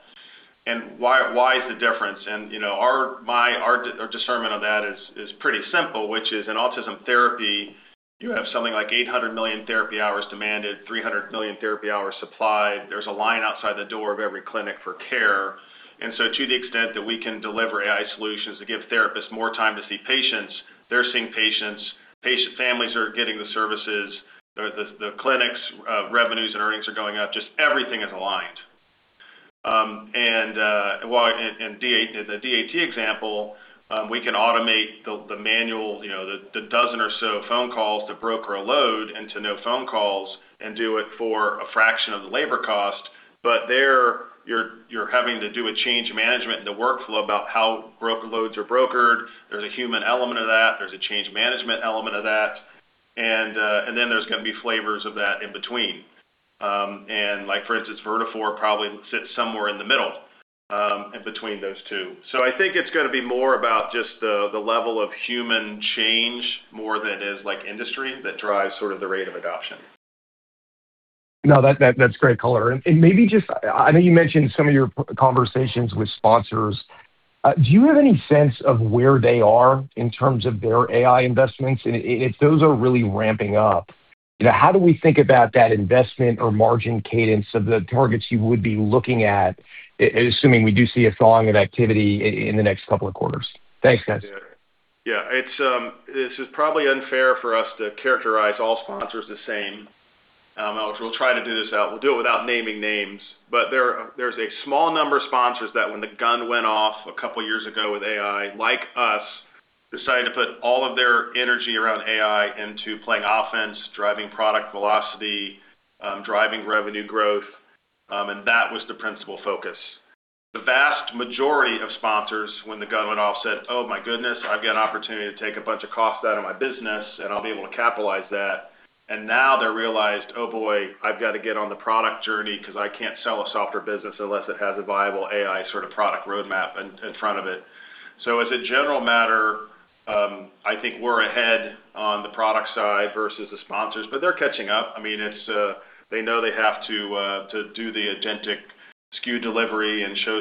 Why is the difference? Our discernment of that is pretty simple, which is in autism therapy, you have something like 800 million therapy hours demanded, 300 million therapy hours supplied. There's a line outside the door of every clinic for care. To the extent that we can deliver AI solutions to give therapists more time to see patients, they're seeing patients, patient families are getting the services, the clinic's revenues and earnings are going up. Just everything is aligned. In the DAT example, we can automate the manual, the dozen or so phone calls to broker a load into no phone calls and do it for a fraction of the labor cost. There, you're having to do a change management in the workflow about how loads are brokered. There's a human element of that. There's a change management element of that. There's going to be flavors of that in between. For instance, Vertafore probably sits somewhere in the middle in between those two. I think it's going to be more about just the level of human change more than it is like industry that drives sort of the rate of adoption. No, that's great color. I know you mentioned some of your conversations with sponsors. Do you have any sense of where they are in terms of their AI investments, if those are really ramping up? How do we think about that investment or margin cadence of the targets you would be looking at, assuming we do see a thawing of activity in the next couple of quarters? Thanks, guys. Yeah. This is probably unfair for us to characterize all sponsors the same. We'll do it without naming names, but there's a small number of sponsors that when the gun went off a couple of years ago with AI, like us, decided to put all of their energy around AI into playing offense, driving product velocity, driving revenue growth. That was the principal focus. The vast majority of sponsors, when the gun went off, said, "Oh, my goodness, I've got an opportunity to take a bunch of cost out of my business, and I'll be able to capitalize that." Now they realized, "Oh, boy, I've got to get on the product journey because I can't sell a software business unless it has a viable AI sort of product roadmap in front of it." As a general matter, I think we're ahead on the product side versus the sponsors, but they're catching up. They know they have to do the agentic SKU delivery and show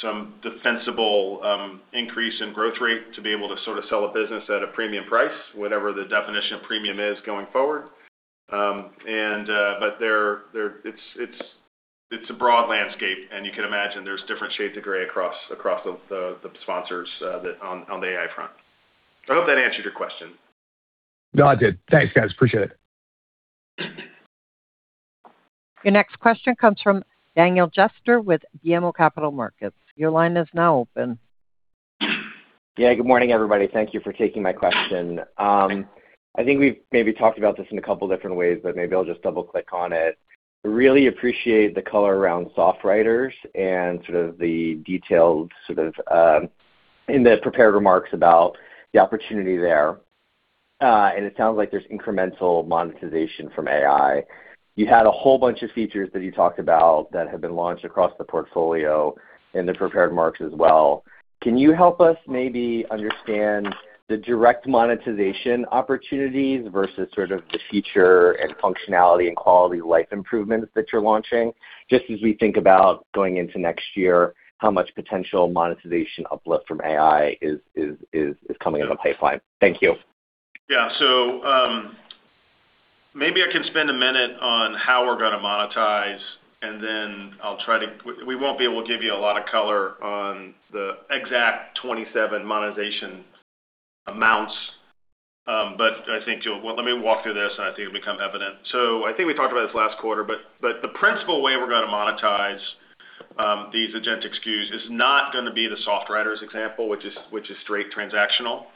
some defensible increase in growth rate to be able to sort of sell a business at a premium price, whatever the definition of premium is going forward. It's a broad landscape, and you can imagine there's different shades of gray across the sponsors on the AI front. I hope that answered your question. No, it did. Thanks, guys. Appreciate it. Your next question comes from Daniel Jester with BMO Capital Markets. Your line is now open. Good morning, everybody. Thank you for taking my question. I think we've maybe talked about this in a couple different ways, but maybe I'll just double-click on it. Really appreciate the color around SoftWriters and sort of the detailed, in the prepared remarks about the opportunity there. It sounds like there's incremental monetization from AI. You had a whole bunch of features that you talked about that have been launched across the portfolio in the prepared remarks as well. Can you help us maybe understand the direct monetization opportunities versus sort of the feature and functionality and quality of life improvements that you're launching, just as we think about going into next year, how much potential monetization uplift from AI is coming in the pipeline? Thank you. Maybe I can spend a minute on how we're going to monetize, then we won't be able to give you a lot of color on the exact 27 monetization amounts. Let me walk through this, and I think it'll become evident. I think we talked about this last quarter, but the principal way we're going to monetize these agentic SKUs is not going to be the SoftWriters example, which is straight transactional.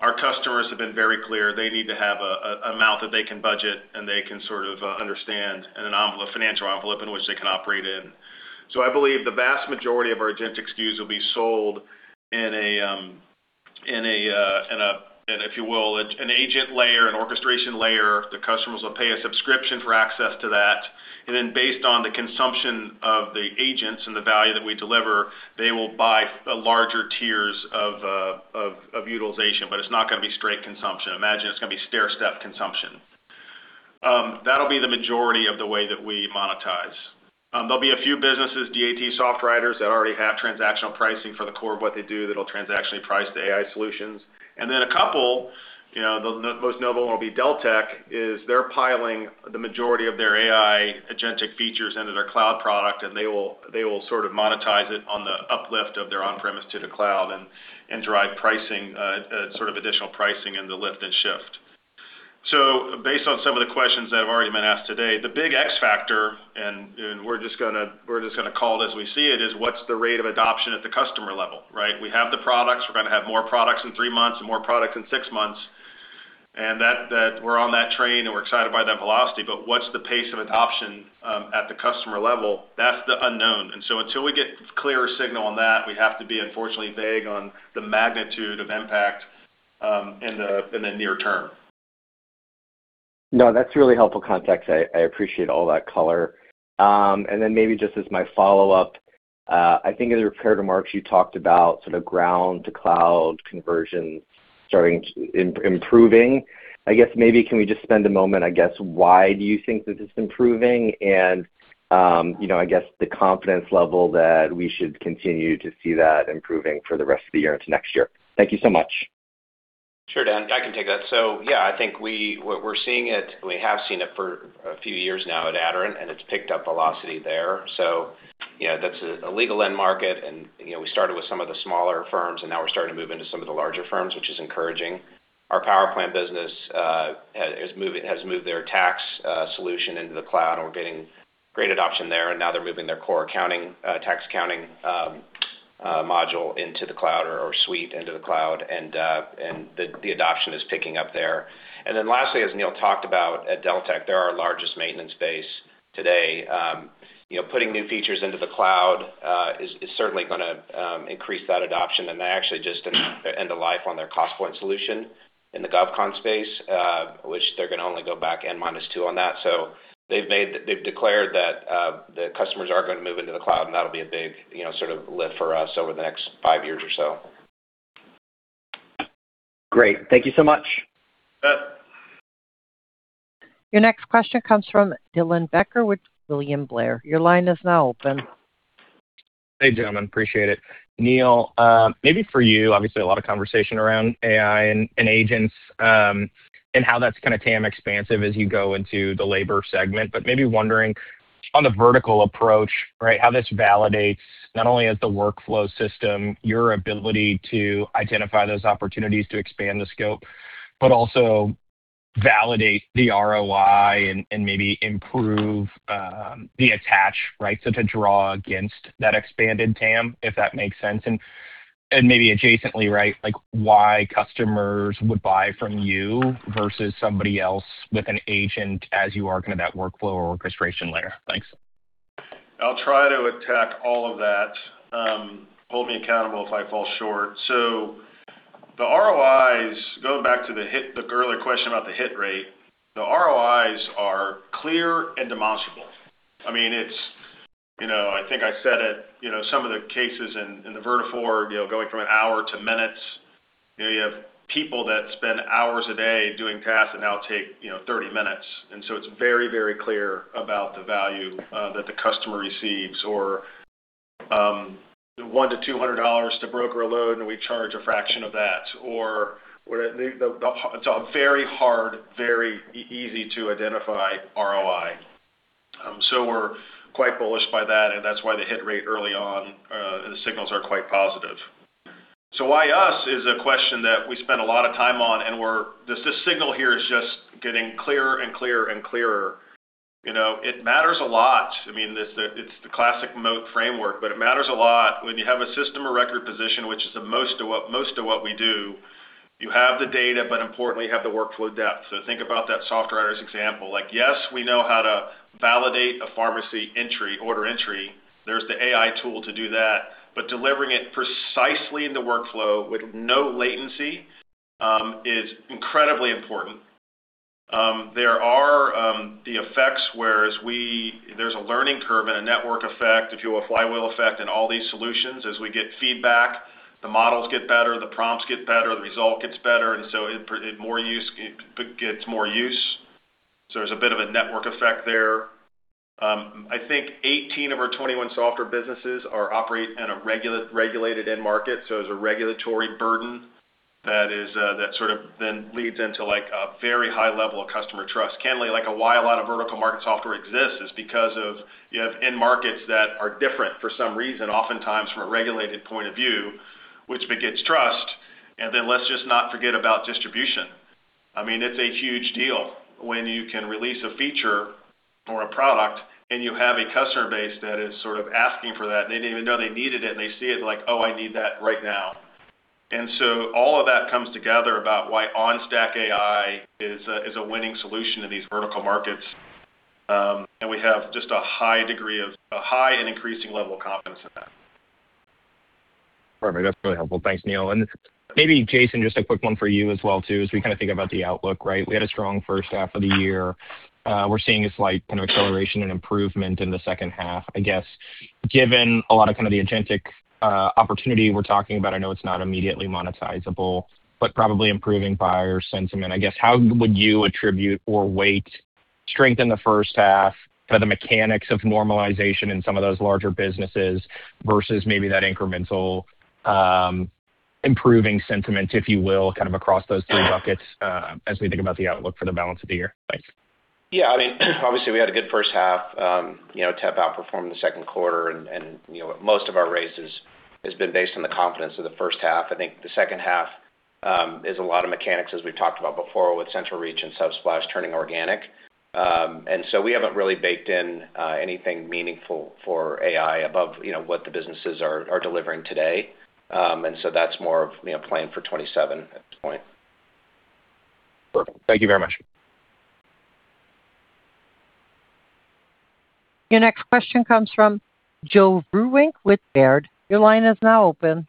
Our customers have been very clear they need to have an amount that they can budget, and they can sort of understand a financial envelope in which they can operate in. I believe the vast majority of our agentic SKUs will be sold in, if you will, an agent layer, an orchestration layer. The customers will pay a subscription for access to that. Based on the consumption of the agents and the value that we deliver, they will buy larger tiers of utilization. It's not going to be straight consumption. Imagine it's going to be stairstep consumption. That'll be the majority of the way that we monetize. There'll be a few businesses, DAT, SoftWriters, that already have transactional pricing for the core of what they do that'll transactionally price the AI solutions. A couple, the most notable will be Deltek, is they're piling the majority of their AI agentic features into their cloud product, and they will sort of monetize it on the uplift of their on-premise to the cloud and drive pricing, sort of additional pricing in the lift and shift. Based on some of the questions that have already been asked today, the big X factor, and we're just going to call it as we see it, is what's the rate of adoption at the customer level, right? We have the products. We're going to have more products in three months and more products in six months. We're on that train, and we're excited by that velocity. What's the pace of adoption at the customer level? That's the unknown. Until we get clearer signal on that, we have to be unfortunately vague on the magnitude of impact in the near term. No, that's really helpful context. I appreciate all that color. Maybe just as my follow-up, I think in your prepared remarks, you talked about sort of ground-to-cloud conversion improving. I guess maybe can we just spend a moment, I guess, why do you think that it's improving and, I guess the confidence level that we should continue to see that improving for the rest of the year into next year. Thank you so much. Sure, Dan. I can take that. Yeah, I think we're seeing it, and we have seen it for a few years now at Aderant, and it's picked up velocity there. That's a legal end market. We started with some of the smaller firms, now we're starting to move into some of the larger firms, which is encouraging. Our PowerPlan business has moved their tax solution into the cloud, we're getting great adoption there. Now they're moving their core tax accounting module into the cloud, or suite into the cloud, the adoption is picking up there. Lastly, as Neil talked about, at Deltek, they're our largest maintenance base today. Putting new features into the cloud is certainly going to increase that adoption. They actually just end of life on their Costpoint solution in the GovCon space, which they're going to only go back N-2 on that. They've declared that the customers are going to move into the cloud, that'll be a big sort of lift for us over the next five years or so. Great. Thank you so much. Yep. Your next question comes from Dylan Becker with William Blair. Your line is now open. Hey, gentlemen, appreciate it. Neil, maybe for you, obviously a lot of conversation around AI and agents, and how that's kind of TAM expansive as you go into the labor segment, but maybe wondering on the vertical approach, right, how this validates not only as the workflow system, your ability to identify those opportunities to expand the scope, but also validate the ROI and maybe improve the attach, right? To draw against that expanded TAM, if that makes sense, and maybe adjacently, right, why customers would buy from you versus somebody else with an agent as you are kind of that workflow or orchestration layer. Thanks. I'll try to attack all of that. Hold me accountable if I fall short. The ROIs, going back to the earlier question about the hit rate, the ROIs are clear and demonstrable. I think I said it, some of the cases in the Vertafore, going from an hour to minutes. You have people that spend hours a day doing tasks that now take 30 minutes. It's very, very clear about the value that the customer receives, or the $100-$200 to broker a load, and we charge a fraction of that. It's a very hard, very easy to identify ROI. We're quite bullish by that, and that's why the hit rate early on, the signals are quite positive. Why us is a question that we spend a lot of time on, and this signal here is just getting clearer and clearer and clearer. It matters a lot. It's the classic moat framework, but it matters a lot when you have a system of record position, which is most of what we do. You have the data, but importantly, you have the workflow depth. Think about that Software-as-a-Service example. Yes, we know how to validate a pharmacy order entry. There's the AI tool to do that, but delivering it precisely in the workflow with no latency, is incredibly important. There are the effects, whereas there's a learning curve and a network effect, if you will, a flywheel effect in all these solutions. As we get feedback, the models get better, the prompts get better, the result gets better, it gets more use. There's a bit of a network effect there. I think 18 of our 21 software businesses operate in a regulated end market, there's a regulatory burden that sort of then leads into a very high level of customer trust. Candidly, why a lot of vertical market software exists is because of you have end markets that are different for some reason, oftentimes from a regulated point of view, which begets trust, let's just not forget about distribution. It's a huge deal when you can release a feature or a product, and you have a customer base that is sort of asking for that, and they didn't even know they needed it, and they see it like, "Oh, I need that right now." All of that comes together about why OnStack AI is a winning solution in these vertical markets. We have just a high and increasing level of confidence in that. Perfect. That's really helpful. Thanks, Neil. Maybe Jason, just a quick one for you as well too, as we kind of think about the outlook, right? We had a strong first half of the year. We're seeing a slight kind of acceleration and improvement in the second half. I guess, given a lot of kind of the agentic opportunity we're talking about, I know it's not immediately monetizable, but probably improving buyer sentiment. I guess how would you attribute or weight strength in the first half for the mechanics of normalization in some of those larger businesses versus maybe that incremental improving sentiment, if you will, kind of across those three buckets as we think about the outlook for the balance of the year? Thanks. Yeah. Obviously, we had a good first half. TEP outperformed in the second quarter. Most of our raises has been based on the confidence of the first half. I think the second half is a lot of mechanics, as we've talked about before with CentralReach and Subsplash turning organic. We haven't really baked in anything meaningful for AI above what the businesses are delivering today. That's more of plan for 2027 at this point. Perfect. Thank you very much. Your next question comes from Joe Vruwink with Baird. Your line is now open.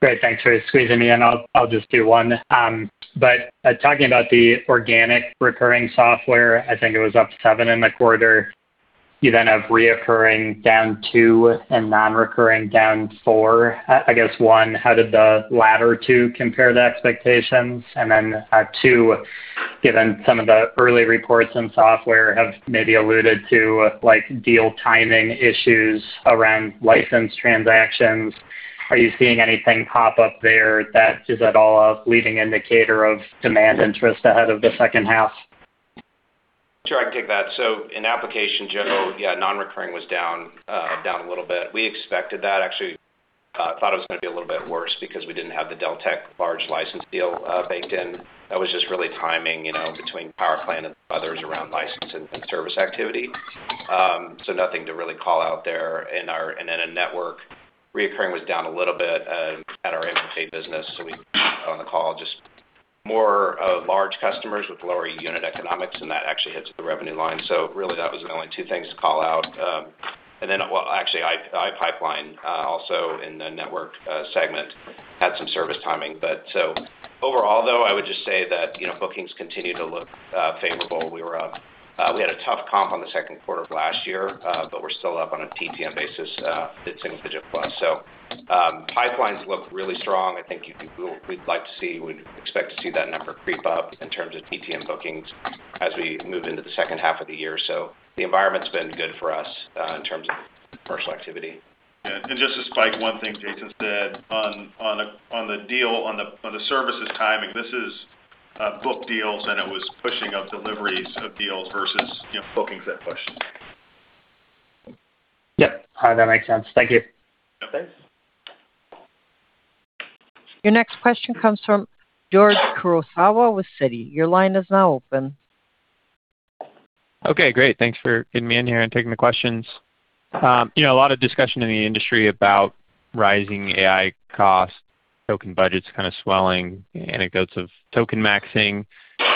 Great. Thanks for squeezing me in. I'll just do one. Talking about the organic recurring software, I think it was up 7% in the quarter. You then have recurring down 2% and non-recurring down 4%. One, how did the latter two compare to expectations? Two, given some of the early reports in software have maybe alluded to deal timing issues around license transactions? Are you seeing anything pop up there that is at all a leading indicator of demand interest ahead of the second half? Sure, I can take that. In application general, non-recurring was down a little bit. We expected that. Actually, thought it was going to be a little bit worse because we didn't have the Deltek large license deal baked in. That was just really timing between PowerPlan and others around license and service activity. Nothing to really call out there. In network, recurring was down a little bit at our MHA business. We mentioned that on the call, just more of large customers with lower unit economics, and that actually hits the revenue line. Really that was the only two things to call out. Actually, iPipeline, also in the network segment, had some service timing. Overall though, I would just say that bookings continue to look favorable. We had a tough comp on the second quarter of last year, we're still up on a TTM basis mid-single digit+. Pipelines look really strong. We'd expect to see that number creep up in terms of TTM bookings as we move into the second half of the year. The environment's been good for us in terms of commercial activity. Just to speak one thing Jason said, on the deal, on the services timing, this is booked deals and it was pushing up deliveries of deals versus bookings that pushed. Yep. That makes sense. Thank you. No, thanks. Your next question comes from George Kurosawa with Citi. Your line is now open. Okay, great. Thanks for getting me in here and taking the questions. A lot of discussion in the industry about rising AI costs, token budgets kind of swelling, anecdotes of token maxing.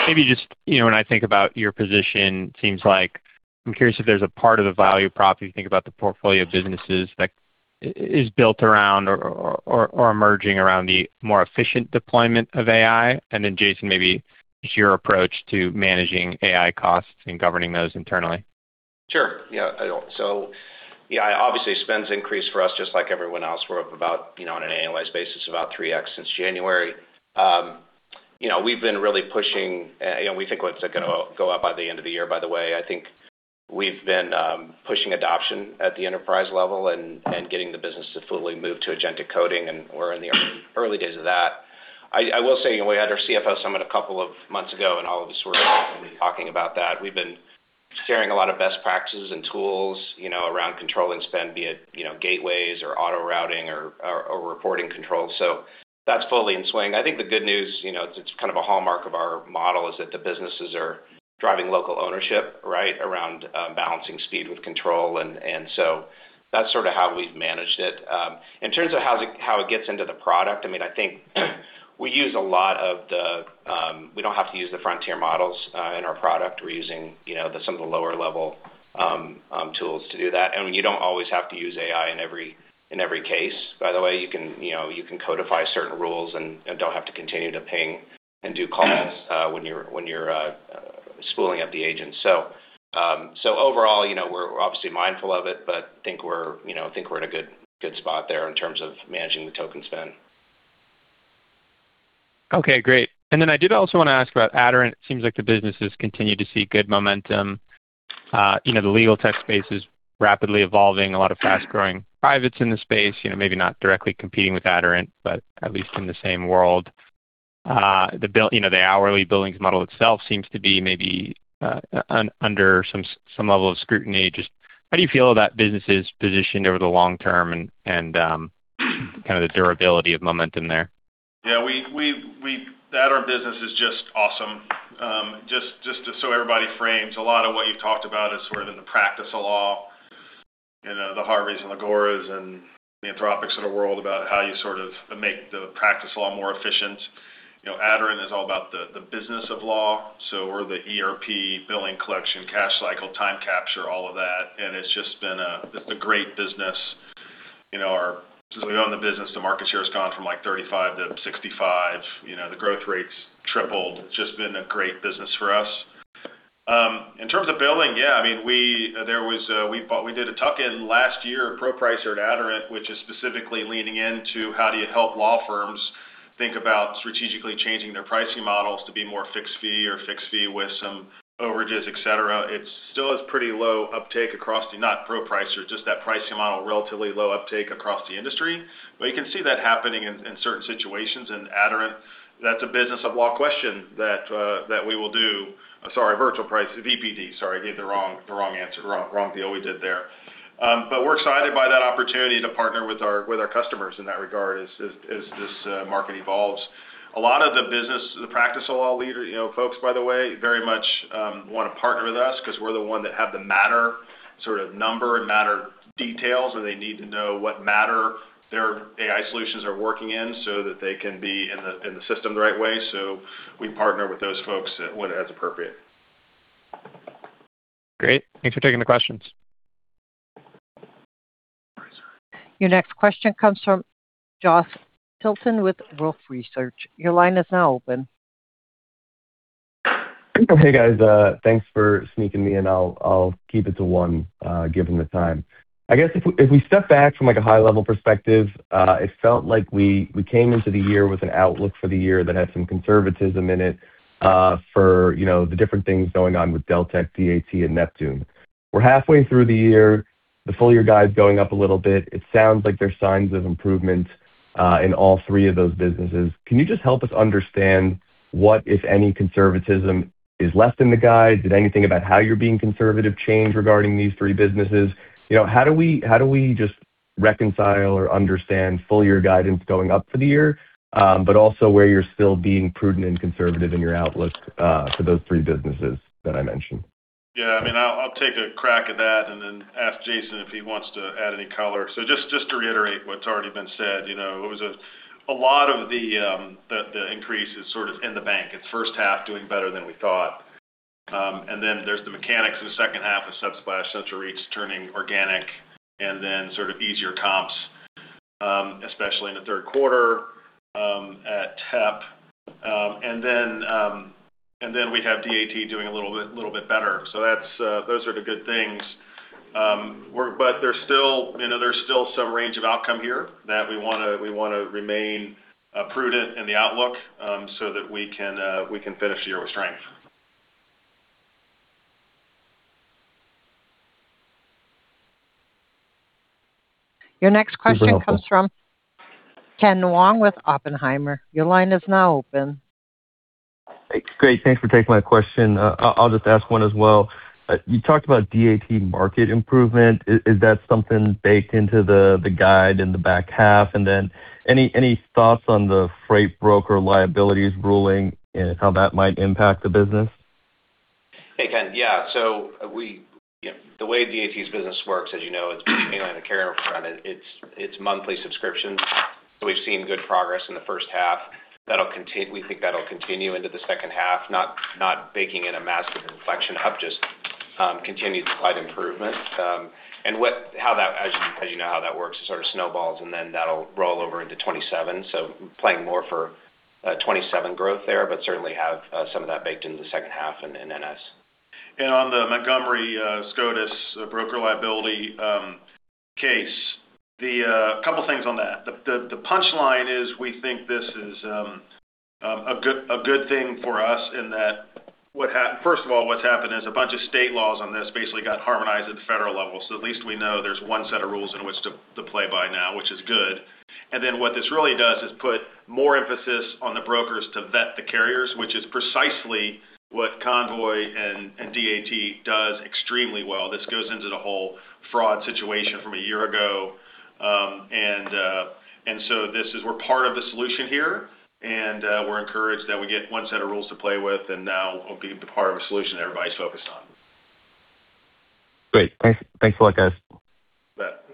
Maybe just, when I think about your position, seems like, I'm curious if there's a part of the value prop, if you think about the portfolio of businesses that is built around or emerging around the more efficient deployment of AI. And then Jason, maybe just your approach to managing AI costs and governing those internally. Sure. Yeah. Yeah, obviously spend's increased for us just like everyone else. We're up about, on an annualized basis, about 3x since January. We've been really pushing. We think it's going to go up by the end of the year, by the way. I think we've been pushing adoption at the enterprise level and getting the business to fully move to agentic coding, and we're in the early days of that. I will say, we had our CFO summit a couple of months ago, and all of us were talking about that. We've been sharing a lot of best practices and tools around controlling spend, be it gateways or auto routing or reporting controls. That's fully in swing. I think the good news, it's kind of a hallmark of our model, is that the businesses are driving local ownership around balancing speed with control, and that's sort of how we've managed it. In terms of how it gets into the product, I think we use a lot of the. We don't have to use the frontier models in our product. We're using some of the lower-level tools to do that. You don't always have to use AI in every case, by the way. You can codify certain rules and don't have to continue to ping and do calls when you're spooling up the agent. Overall, we're obviously mindful of it, but I think we're in a good spot there in terms of managing the token spend. Okay, great. Then I did also want to ask about Aderant. It seems like the business has continued to see good momentum. The legal tech space is rapidly evolving, a lot of fast-growing privates in the space. Maybe not directly competing with Aderant, but at least in the same world. The hourly billings model itself seems to be maybe under some level of scrutiny. Just how do you feel that business is positioned over the long term and the durability of momentum there? Yeah. The Aderant business is just awesome. Just so everybody frames, a lot of what you've talked about is sort of in the practice law, the Harveys and the Goras and the Anthropics of the world about how you sort of make the practice law more efficient. Aderant is all about the business of law. We're the ERP, billing, collection, cash cycle, time capture, all of that, and it's just been a great business. Since we've owned the business, the market share has gone from, like, 35% to 65%. The growth rate's tripled. Just been a great business for us. In terms of billing, yeah, we did a tuck-in last year at Virtual Pricing Director at Aderant, which is specifically leaning into how do you help law firms think about strategically changing their pricing models to be more fixed fee or fixed fee with some overages, et cetera. It still has pretty low uptake across the, not ProPricer, just that pricing model, relatively low uptake across the industry. You can see that happening in certain situations in Aderant. That's a business of law question that we will do. Sorry, Virtual Price, VPD. Sorry, I gave the wrong answer, wrong deal we did there. We're excited by that opportunity to partner with our customers in that regard as this market evolves. A lot of the business, the practice of law folks, by the way, very much want to partner with us because we're the one that have the matter, sort of number and matter details, and they need to know what matter their AI solutions are working in so that they can be in the system the right way. We partner with those folks when as appropriate. Great. Thanks for taking the questions. Your next question comes from Josh Tilton with Wolfe Research. Your line is now open. Hey, guys. Thanks for sneaking me in. I'll keep it to one, given the time. I guess if we step back from, like, a high-level perspective, it felt like we came into the year with an outlook for the year that had some conservatism in it, for the different things going on with Deltek, DAT, and Neptune. We're halfway through the year. The full-year guide's going up a little bit. It sounds like there's signs of improvement. In all three of those businesses, can you just help us understand what, if any, conservatism is less than the guide? Did anything about how you're being conservative change regarding these three businesses? How do we just reconcile or understand full-year guidance going up for the year, but also where you're still being prudent and conservative in your outlook for those three businesses that I mentioned? I'll take a crack at that and then ask Jason if he wants to add any color. Just to reiterate what's already been said, a lot of the increase is sort of in the bank. It's first half doing better than we thought. There's the mechanics of the second half of Subsplash, CentralReach turning organic and then sort of easier comps, especially in the third quarter at TEP. We have DAT doing a little bit better. Those are the good things. There's still some range of outcome here that we want to remain prudent in the outlook, so that we can finish the year with strength. Your next question comes from Ken Wong with Oppenheimer. Your line is now open. Great. Thanks for taking my question. I'll just ask one as well. You talked about DAT market improvement. Is that something baked into the guide in the back half? Any thoughts on the freight broker liabilities ruling and how that might impact the business? Hey, Ken. The way DAT's business works, as you know, it's mainly on the carrier front. It's monthly subscriptions. We've seen good progress in the first half. We think that'll continue into the second half, not baking in a massive inflection up, just continued slight improvement. As you know how that works, it sort of snowballs and that'll roll over into 2027. Playing more for 2027 growth there, but certainly have some of that baked into the second half in NS. On the Montgomery SCOTUS broker liability case, a couple of things on that. The punchline is we think this is a good thing for us in that, first of all, what's happened is a bunch of state laws on this basically got harmonized at the federal level. At least we know there's one set of rules in which to play by now, which is good. What this really does is put more emphasis on the brokers to vet the carriers, which is precisely what Convoy and DAT does extremely well. This goes into the whole fraud situation from a year ago. We're part of the solution here, and we're encouraged that we get one set of rules to play with, and now we'll be the part of a solution that everybody's focused on. Great. Thanks a lot, guys. You bet.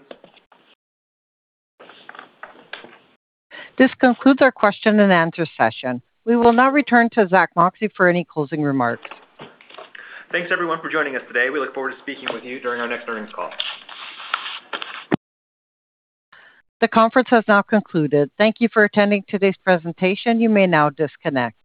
This concludes our question and answer session. We will now return to Zack Moxcey for any closing remarks. Thanks, everyone, for joining us today. We look forward to speaking with you during our next earnings call. The conference has now concluded. Thank you for attending today's presentation. You may now disconnect.